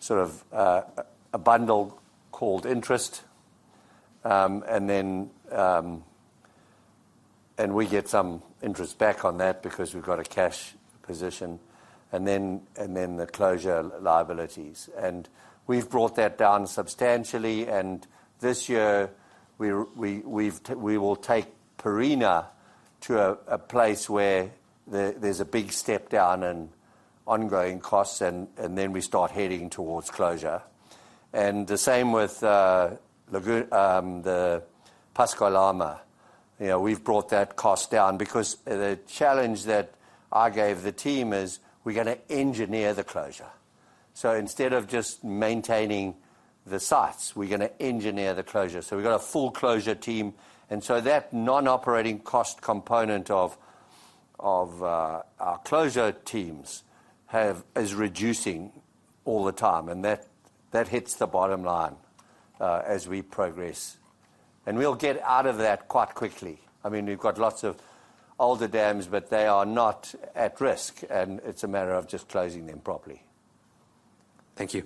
sort of a bundle called interest, and we get some interest back on that because we've got a cash position, and then the closure liabilities. And we've brought that down substantially, and this year, we will take Pierina to a place where there's a big step down in ongoing costs, and then we start heading towards closure. And the same with Pascua-Lama. We've brought that cost down because the challenge that I gave the team is we're going to engineer the closure. So instead of just maintaining the sites, we're going to engineer the closure. So we've got a full closure team, and so that non-operating cost component of our closure teams is reducing all the time, and that hits the bottom line as we progress. And we'll get out of that quite quickly. I mean, we've got lots of older dams, but they are not at risk, and it's a matter of just closing them properly. Thank you.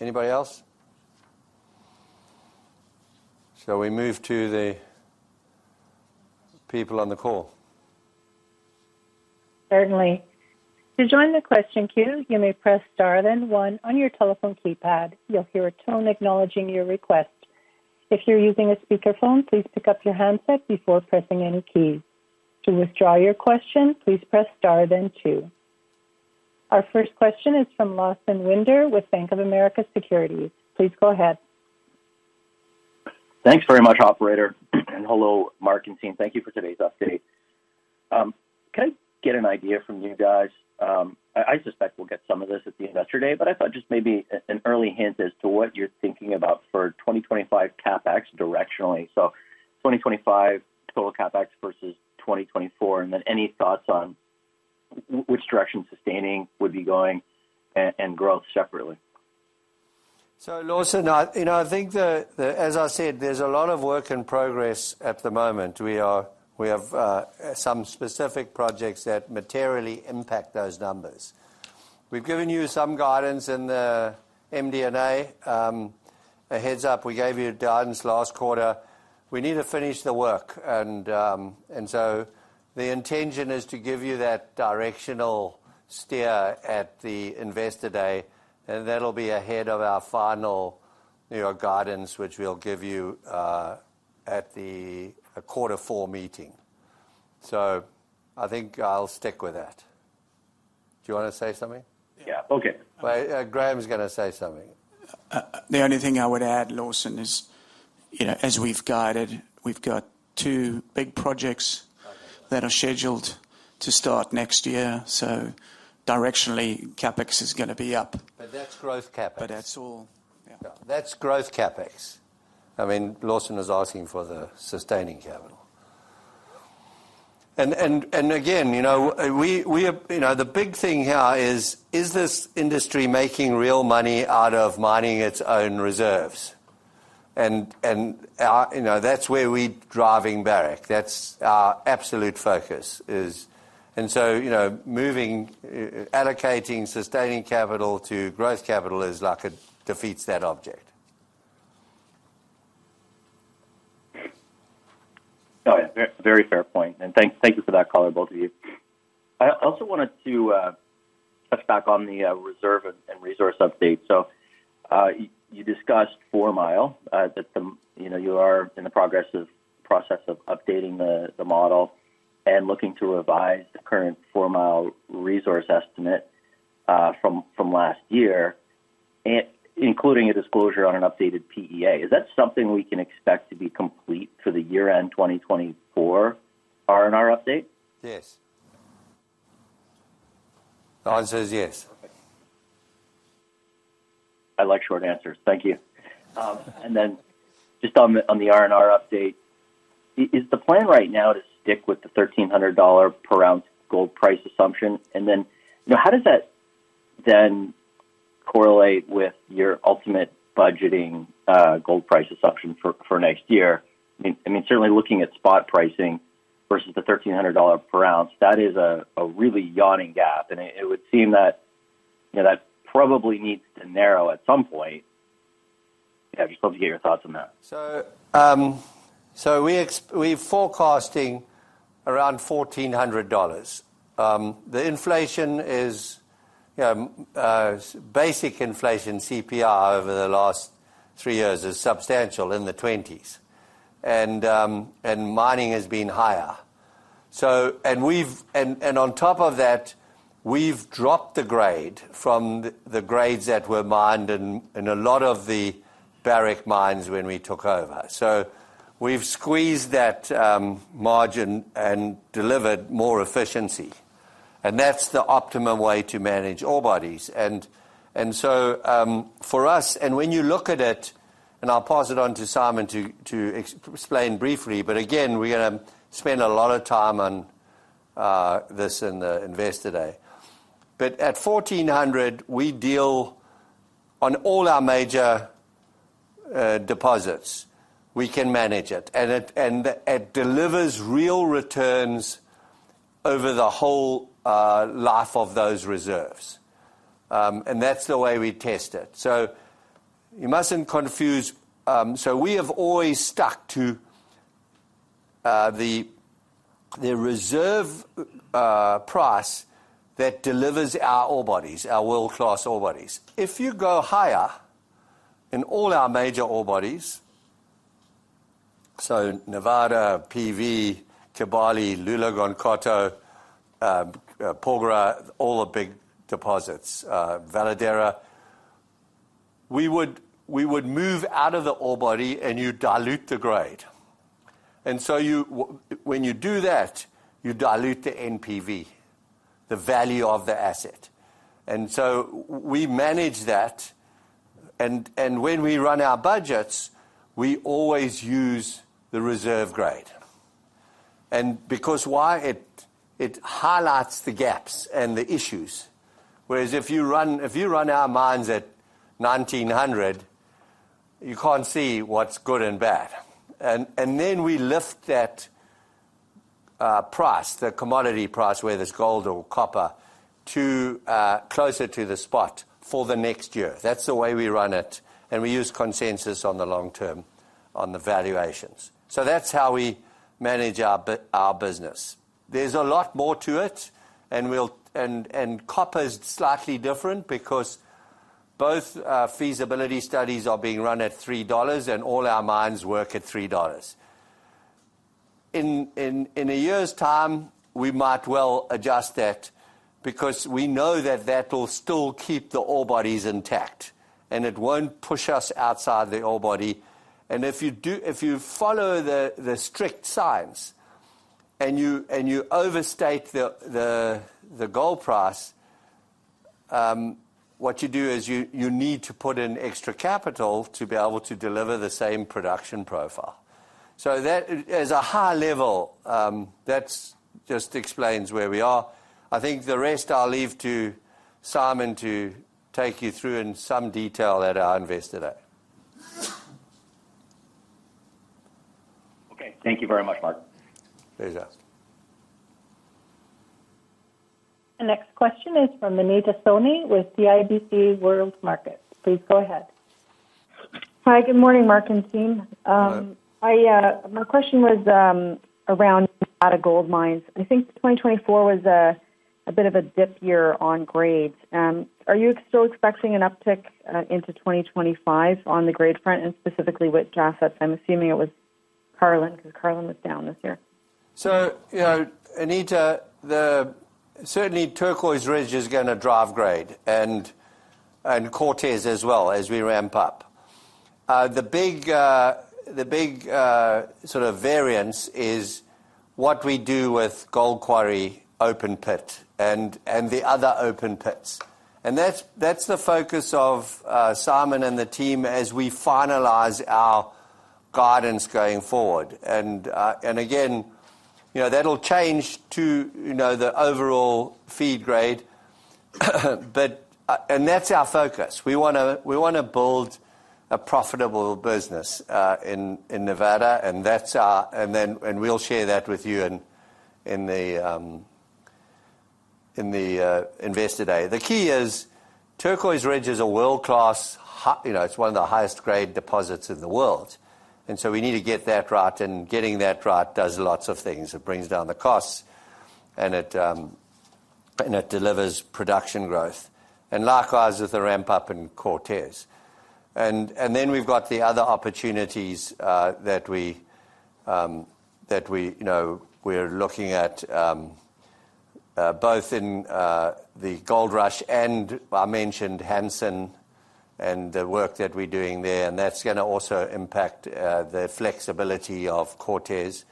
Anybody else? Shall we move to the people on the call? Certainly. To join the question queue, you may press star then one on your telephone keypad. You'll hear a tone acknowledging your request. If you're using a speakerphone, please pick up your handset before pressing any keys. To withdraw your question, please press star then two. Our first question is from Lawson Winder with Bank of America Securities. Please go ahead. Thanks very much, Operator. And hello, Mark and team. Thank you for today's update. Can I get an idea from you guys? I suspect we'll get some of this at the Investor Day, but I thought just maybe an early hint as to what you're thinking about for 2025 CapEx directionally. So 2025 total CapEx versus 2024, and then any thoughts on which direction sustaining would be going and growth separately. So Lawson, I think, as I said, there's a lot of work in progress at the moment. We have some specific projects that materially impact those numbers. We've given you some guidance in the MD&A. A heads-up, we gave you guidance last quarter. We need to finish the work, and so the intention is to give you that directional steer at the Investor Day, and that'll be ahead of our final guidance, which we'll give you at the quarter four meeting. So I think I'll stick with that. Do you want to say something? Yeah. Okay. Graham's going to say something. The only thing I would add, Lawson, is as we've guided, we've got two big projects that are scheduled to start next year. So directionally, CapEx is going to be up. But that's growth CapEx. But that's all. Yeah. That's growth CapEx. I mean, Lawson is asking for the sustaining capital. Again, the big thing here is, is this industry making real money out of mining its own reserves? And that's where we're driving Barrick. That's our absolute focus. And so allocating sustaining capital to growth capital is like it defeats that object. Oh, yeah. Very fair point. And thank you for that color, both of you. I also wanted to touch back on the reserve and resource update. So you discussed Fourmile, that you are in the progressive process of updating the model and looking to revise the current Fourmile resource estimate from last year, including a disclosure on an updated PEA. Is that something we can expect to be complete for the year-end 2024 R&R update? Yes. The answer is yes. I like short answers. Thank you. And then just on the R&R update, is the plan right now to stick with the $1,300 per ounce gold price assumption? And then how does that then correlate with your ultimate budgeting gold price assumption for next year? I mean, certainly looking at spot pricing versus the $1,300 per ounce, that is a really yawning gap, and it would seem that that probably needs to narrow at some point. Yeah, I'd just love to get your thoughts on that. So we're forecasting around $1,400. The inflation is basic inflation CPR over the last three years is substantial in the 20s, and mining has been higher. And on top of that, we've dropped the grade from the grades that were mined in a lot of the Barrick mines when we took over. So we've squeezed that margin and delivered more efficiency, and that's the optimum way to manage all bodies. And so for us, and when you look at it, and I'll pass it on to Simon to explain briefly, but again, we're going to spend a lot of time on this in the Investor Day. But at $1,400, we deal on all our major deposits. We can manage it, and it delivers real returns over the whole life of those reserves, and that's the way we test it. So you mustn't confuse. So we have always stuck to the reserve price that delivers our orebodies, our world-class orebodies. If you go higher in all our major orebodies, so Nevada, PV, Kibali, Loulo-Gounkoto, Porgera, all the big deposits, Veladero, we would move out of the orebody, and you dilute the grade. And so when you do that, you dilute the NPV, the value of the asset. And so we manage that, and when we run our budgets, we always use the reserve grade. And because why? It highlights the gaps and the issues. Whereas if you run our mines at $1,900, you can't see what's good and bad. And then we lift that price, the commodity price, whether it's gold or copper, closer to the spot for the next year. That's the way we run it, and we use consensus on the long term on the valuations. So that's how we manage our business. There's a lot more to it, and copper is slightly different because both feasibility studies are being run at $3, and all our mines work at $3. In a year's time, we might well adjust that because we know that that will still keep the AISCs intact, and it won't push us outside the AISC. And if you follow the strict guidelines and you overstate the gold price, what you do is you need to put in extra capital to be able to deliver the same production profile. So at a high level, that just explains where we are. I think the rest I'll leave to Simon to take you through in some detail at our Investor Day. Okay. Thank you very much, Mark. Pleasure. The next question is from Anita Soni with CIBC World Markets. Please go ahead. Hi. Good morning, Mark and team. My question was around Nevada Gold Mines. I think 2024 was a bit of a dip year on grades. Are you still expecting an uptick into 2025 on the grade front, and specifically which assets? I'm assuming it was Carlin because Carlin was down this year. So Anita, certainly Turquoise Ridge is going to drive grade, and Cortez as well as we ramp up. The big sort of variance is what we do with Gold Quarry open pit and the other open pits. And that's the focus of Simon and the team as we finalize our guidance going forward. And again, that'll change to the overall feed grade, and that's our focus. We want to build a profitable business in Nevada, and we'll share that with you in the Investor Day. The key is Turquoise Ridge is a world-class, it's one of the highest-grade deposits in the world. And so we need to get that right, and getting that right does lots of things. It brings down the costs, and it delivers production growth. And likewise with the ramp-up in Cortez. And then we've got the other opportunities that we're looking at both in the Goldrush and I mentioned Hanson and the work that we're doing there, and that's going to also impact the flexibility of Cortez.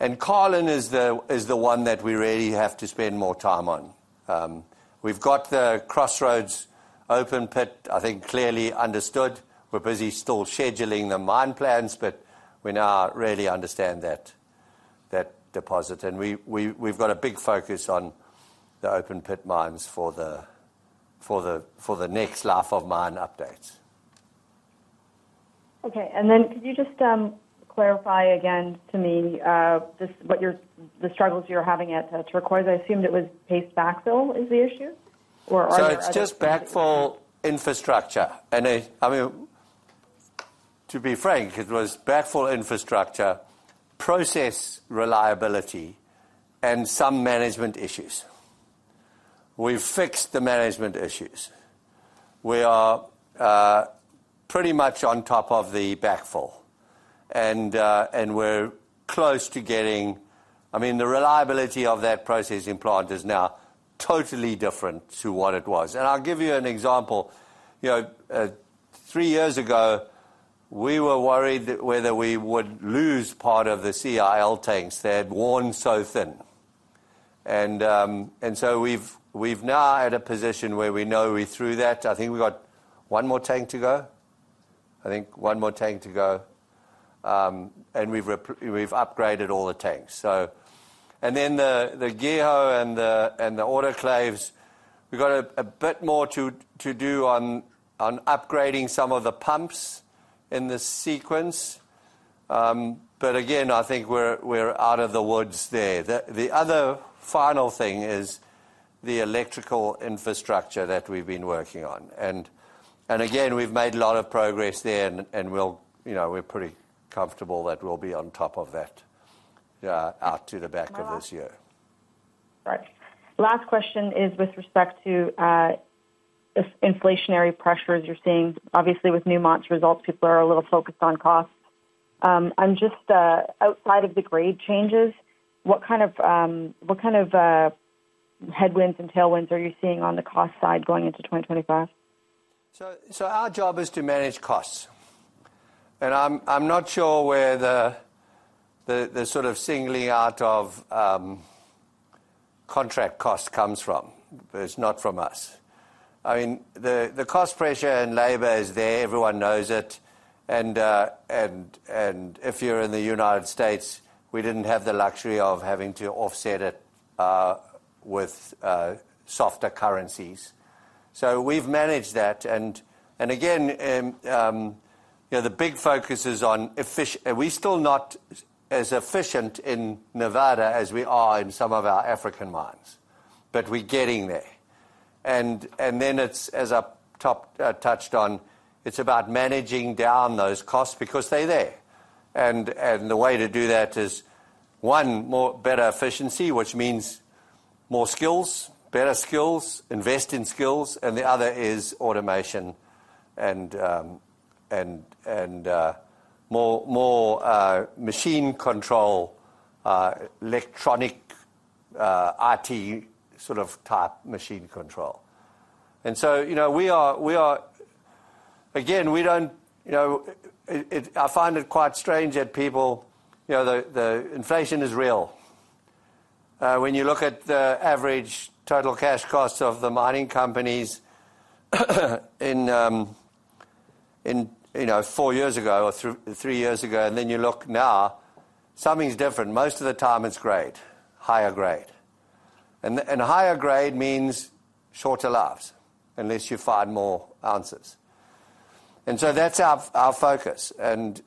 And Carlin is the one that we really have to spend more time on. We've got the Crossroads open pit, I think clearly understood. We're busy still scheduling the mine plans, but we now really understand that deposit, and we've got a big focus on the open pit mines for the next life of mine updates. Okay. And then could you just clarify again to me the struggles you're having at Turquoise Ridge? I assumed it was paste backfill is the issue, or are there other issues? So it's just backfill infrastructure. And I mean, to be frank, it was backfill infrastructure, process reliability, and some management issues. We've fixed the management issues. We are pretty much on top of the backfill, and we're close to getting, I mean, the reliability of that process plant is now totally different to what it was. And I'll give you an example. Three years ago, we were worried whether we would lose part of the CIL tanks that had worn so thin. And so we're now at a position where we know we've got through that. I think we've got one more tank to go, and we've upgraded all the tanks. And then the GEHO and the autoclaves, we've got a bit more to do on upgrading some of the pumps in the sequence. But again, I think we're out of the woods there. The other final thing is the electrical infrastructure that we've been working on. And again, we've made a lot of progress there, and we're pretty comfortable that we'll be on top of that out to the back of this year. Right. Last question is with respect to inflationary pressures you're seeing. Obviously, with Newmont's results, people are a little focused on costs. Outside of the grade changes, what kind of headwinds and tailwinds are you seeing on the cost side going into 2025? So our job is to manage costs, and I'm not sure where the sort of singling out of contract costs comes from. It's not from us. I mean, the cost pressure and labor is there. Everyone knows it. And if you're in the United States, we didn't have the luxury of having to offset it with softer currencies. So we've managed that. And again, the big focus is on efficient. We're still not as efficient in Nevada as we are in some of our African mines, but we're getting there. And then it's, as I touched on, it's about managing down those costs because they're there. The way to do that is one, better efficiency, which means more skills, better skills, invest in skills, and the other is automation and more machine control, electronic IT sort of type machine control. So we are again. We don't. I find it quite strange that people. The inflation is real. When you look at the average total cash costs of the mining companies four years ago or three years ago, and then you look now, something's different. Most of the time, it's grade, higher grade. Higher grade means shorter lives unless you find more answers. So that's our focus. The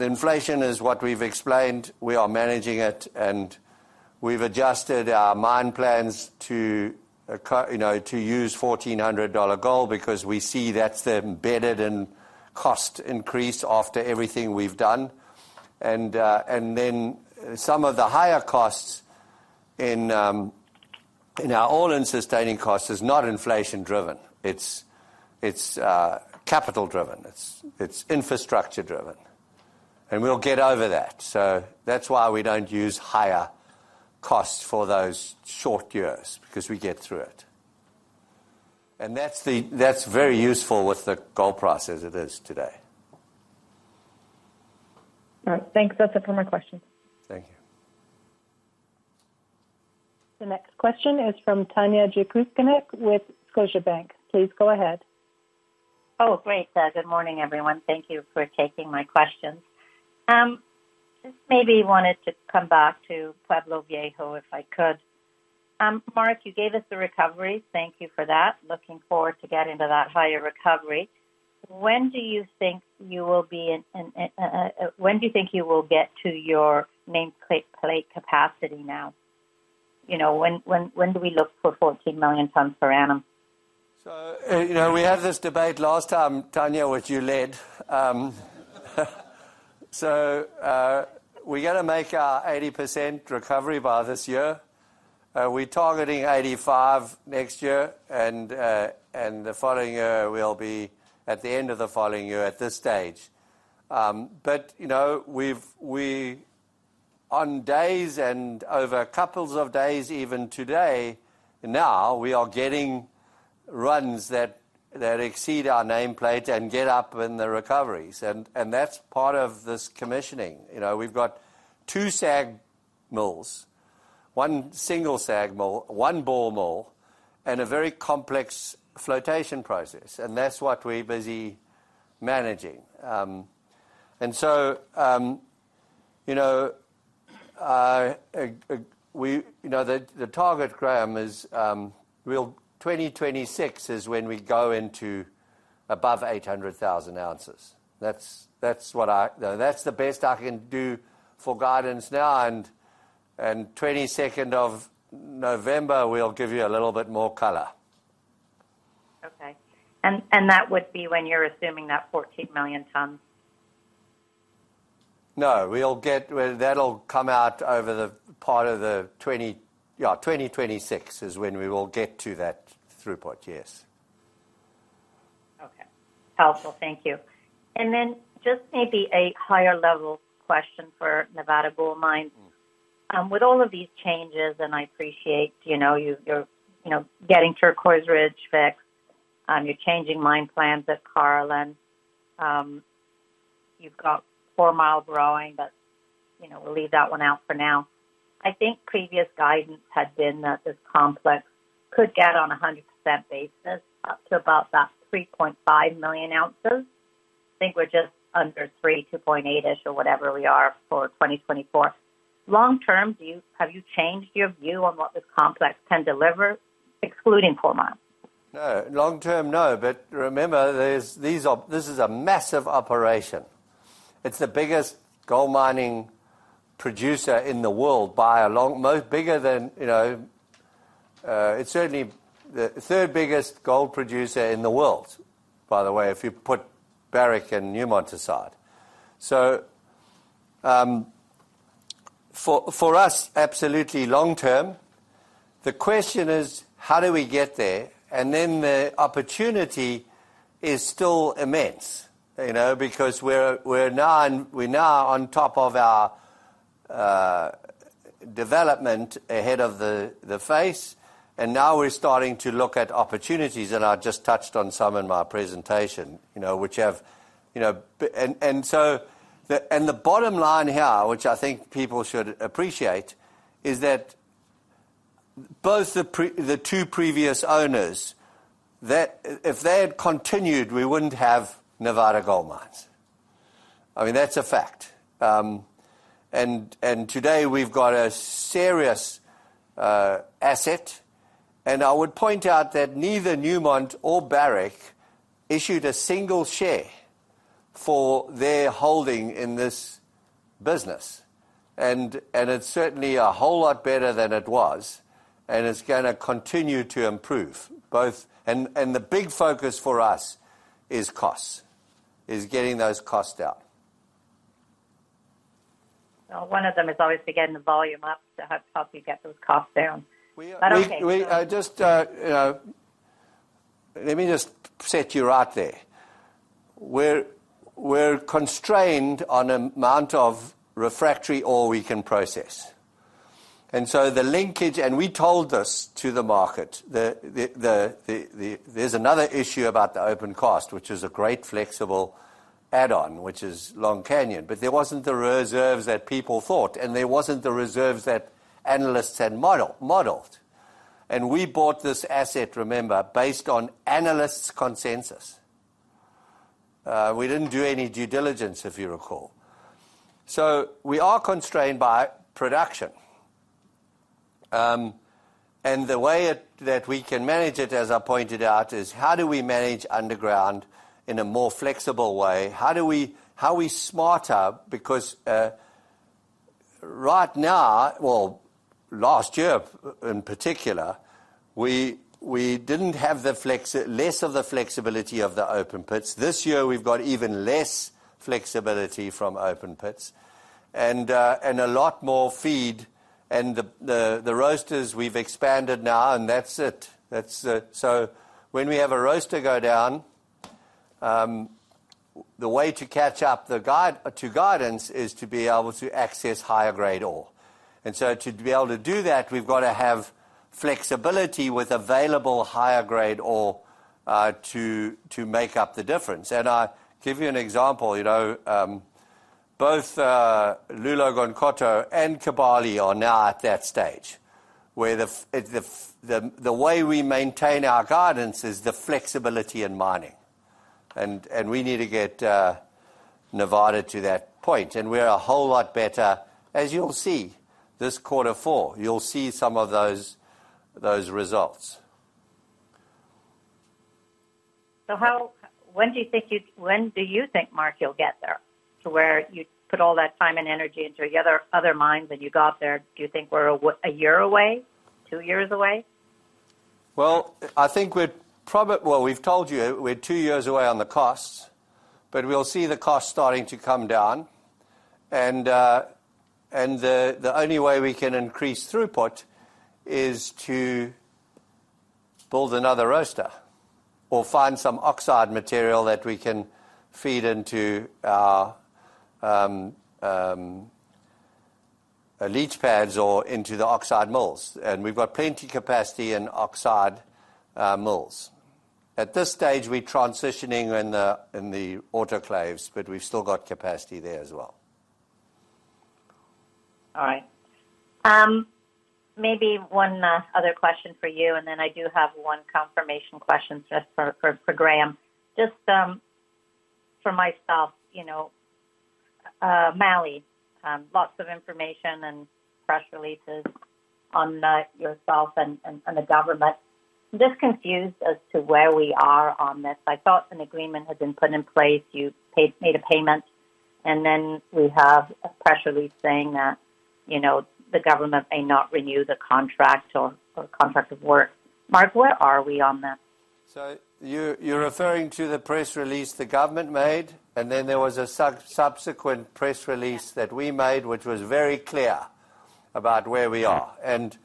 inflation is what we've explained. We are managing it, and we've adjusted our mine plans to use $1,400 gold because we see that's embedded in cost increase after everything we've done. Then some of the higher costs in our all-in sustaining costs is not inflation-driven. It's capital-driven. It's infrastructure-driven. And we'll get over that. So that's why we don't use higher costs for those short years because we get through it. And that's very useful with the gold price as it is today. All right. Thanks. That's it for my questions. Thank you. The next question is from Tanya Jakusconek with Scotiabank. Please go ahead. Oh, great. Good morning, everyone. Thank you for taking my questions. Maybe I wanted to come back to Pueblo Viejo if I could. Mark, you gave us the recovery. Thank you for that. Looking forward to getting to that higher recovery. When do you think you will be, when do you think you will get to your nameplate capacity now? When do we look for 14 million tons per annum? So we had this debate last time, Tanya, which you led. So we're going to make our 80% recovery by this year. We're targeting 85% next year, and the following year will be at the end of the following year at this stage. But on days and over a couple of days, even today, now we are getting runs that exceed our nameplate and get up in the recoveries. And that's part of this commissioning. We've got two SAG mills, one single SAG mill, one ball mill, and a very complex flotation process. And that's what we're busy managing. And so the target ramp is. 2026 is when we go into above 800,000 ounces. That's the best I can do for guidance now, and 22nd of November, we'll give you a little bit more color. Okay. And that would be when you're assuming that 14 million tons? No. That'll come out over the part of the, yeah, 2026 is when we will get to that throughput, yes. Okay. Helpful. Thank you. And then just maybe a higher-level question for Nevada Gold Mines. With all of these changes, and I appreciate you're getting Turquoise Ridge fixed, you're changing mine plans at Carlin, you've got Fourmile growing, but we'll leave that one out for now. I think previous guidance had been that this complex could get on a 100% basis up to about that 3.5 million ounces. I think we're just under 3, 2.8-ish, or whatever we are for 2024. Long term, have you changed your view on what this complex can deliver, excluding Fourmile? Long term, no. But remember, this is a massive operation. It's the biggest gold mining producer in the world by a long—most bigger than—it's certainly the third biggest gold producer in the world, by the way, if you put Barrick and Newmont aside. So for us, absolutely long term, the question is, how do we get there? And then the opportunity is still immense because we're now on top of our development ahead of the face, and now we're starting to look at opportunities, and I just touched on some in my presentation, which have—and so the bottom line here, which I think people should appreciate, is that both the two previous owners, if they had continued, we wouldn't have Nevada Gold Mines. I mean, that's a fact. And I would point out that neither Newmont nor Barrick issued a single share for their holding in this business. It's certainly a whole lot better than it was, and it's going to continue to improve. The big focus for us is costs, is getting those costs out. Well, one of them is obviously getting the volume up to help you get those costs down. But okay. Let me just set you right there. We're constrained on an amount of refractory ore we can process. And so the linkage, and we told this to the market, there's another issue about the open pit cost, which is a great flexible add-on, which is Long Canyon. But there wasn't the reserves that people thought, and there wasn't the reserves that analysts had modeled. And we bought this asset, remember, based on analysts' consensus. We didn't do any due diligence, if you recall. So we are constrained by production. The way that we can manage it, as I pointed out, is how do we manage underground in a more flexible way? How are we smarter? Because right now, well, last year in particular, we didn't have less of the flexibility of the open pits. This year, we've got even less flexibility from open pits and a lot more feed. And the roasters, we've expanded now, and that's it. So when we have a roaster go down, the way to catch up to guidance is to be able to access higher-grade ore. And so to be able to do that, we've got to have flexibility with available higher-grade ore to make up the difference. And I'll give you an example. Both Loulo-Gounkoto and Kibali are now at that stage where the way we maintain our guidance is the flexibility in mining. We need to get Nevada to that point. We're a whole lot better, as you'll see, this quarter four. You'll see some of those results. When do you think, Mark, you'll get there to where you put all that time and energy into the other mines and you got there? Do you think we're a year away, two years away? Well, I think we've told you we're two years away on the costs, but we'll see the costs starting to come down. The only way we can increase throughput is to build another roaster or find some oxide material that we can feed into our leach pads or into the oxide mills. We've got plenty of capacity in oxide mills. At this stage, we're transitioning in the autoclaves, but we've still got capacity there as well. All right. Maybe one last other question for you, and then I do have one confirmation question just for Graham. Just for myself, Mali, lots of information and press releases on yourself and the government. I'm just confused as to where we are on this. I thought an agreement had been put in place. You made a payment, and then we have a press release saying that the government may not renew the contract or contract of work. Mark, where are we on that? So you're referring to the press release the government made, and then there was a subsequent press release that we made, which was very clear about where we are. And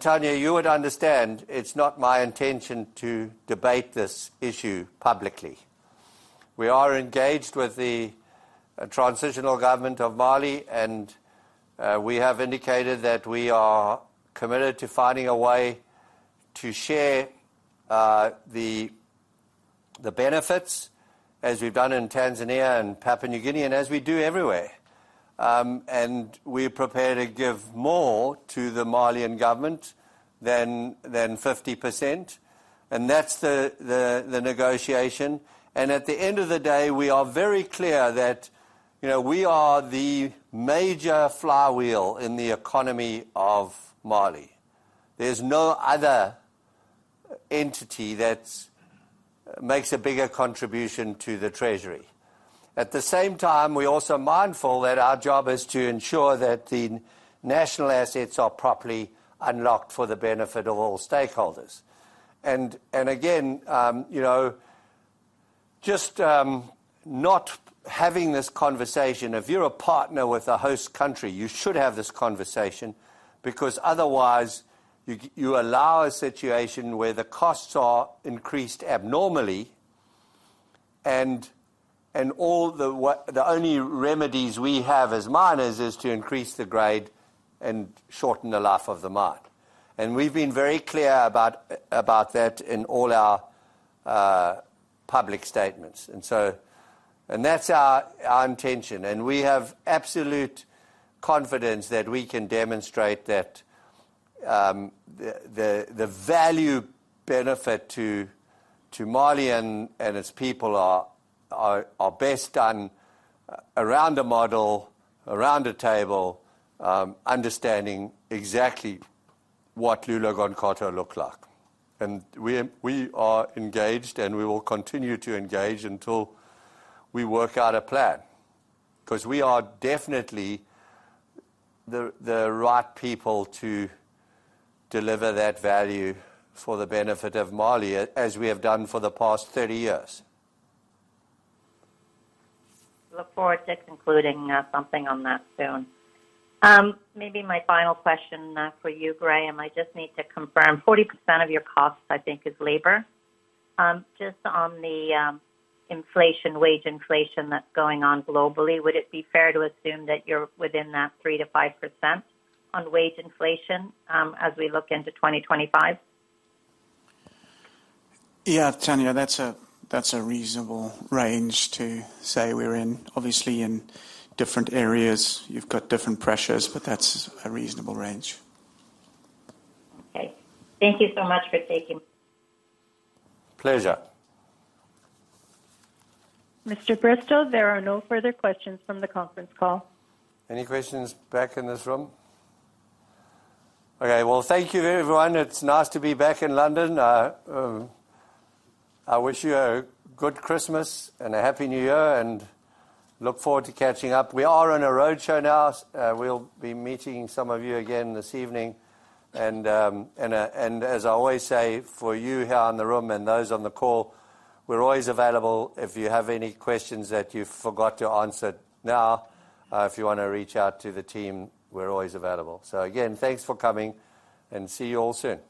Tanya, you would understand it's not my intention to debate this issue publicly. We are engaged with the transitional government of Mali, and we have indicated that we are committed to finding a way to share the benefits as we've done in Tanzania and Papua New Guinea, and as we do everywhere. And we're prepared to give more to the Malian government than 50%. And that's the negotiation. And at the end of the day, we are very clear that we are the major flywheel in the economy of Mali. There's no other entity that makes a bigger contribution to the treasury. At the same time, we're also mindful that our job is to ensure that the national assets are properly unlocked for the benefit of all stakeholders. And again, just not having this conversation. If you're a partner with a host country, you should have this conversation because otherwise, you allow a situation where the costs are increased abnormally, and the only remedies we have as miners is to increase the grade and shorten the life of the mine. And we've been very clear about that in all our public statements. And that's our intention. And we have absolute confidence that we can demonstrate that the value benefit to Mali and its people are best done around a model, around a table, understanding exactly what Loulo-Gounkoto looked like. And we are engaged, and we will continue to engage until we work out a plan because we are definitely the right people to deliver that value for the benefit of Mali, as we have done for the past 30 years. Look forward to concluding something on that soon. Maybe my final question for you, Graham. I just need to confirm 40% of your costs, I think, is labor. Just on the wage inflation that's going on globally, would it be fair to assume that you're within that 3%-5% on wage inflation as we look into 2025? Yeah, Tanya, that's a reasonable range to say we're in, obviously, in different areas. You've got different pressures, but that's a reasonable range. Okay. Thank you so much for taking— Pleasure. Mr. Bristow, there are no further questions from the conference call. Any questions back in this room? Okay. Well, thank you, everyone. It's nice to be back in London. I wish you a good Christmas and a Happy New Year and look forward to catching up. We are on a roadshow now. We'll be meeting some of you again this evening. As I always say, for you here in the room and those on the call, we're always available if you have any questions that you forgot to answer now. If you want to reach out to the team, we're always available. Again, thanks for coming, and see you all soon.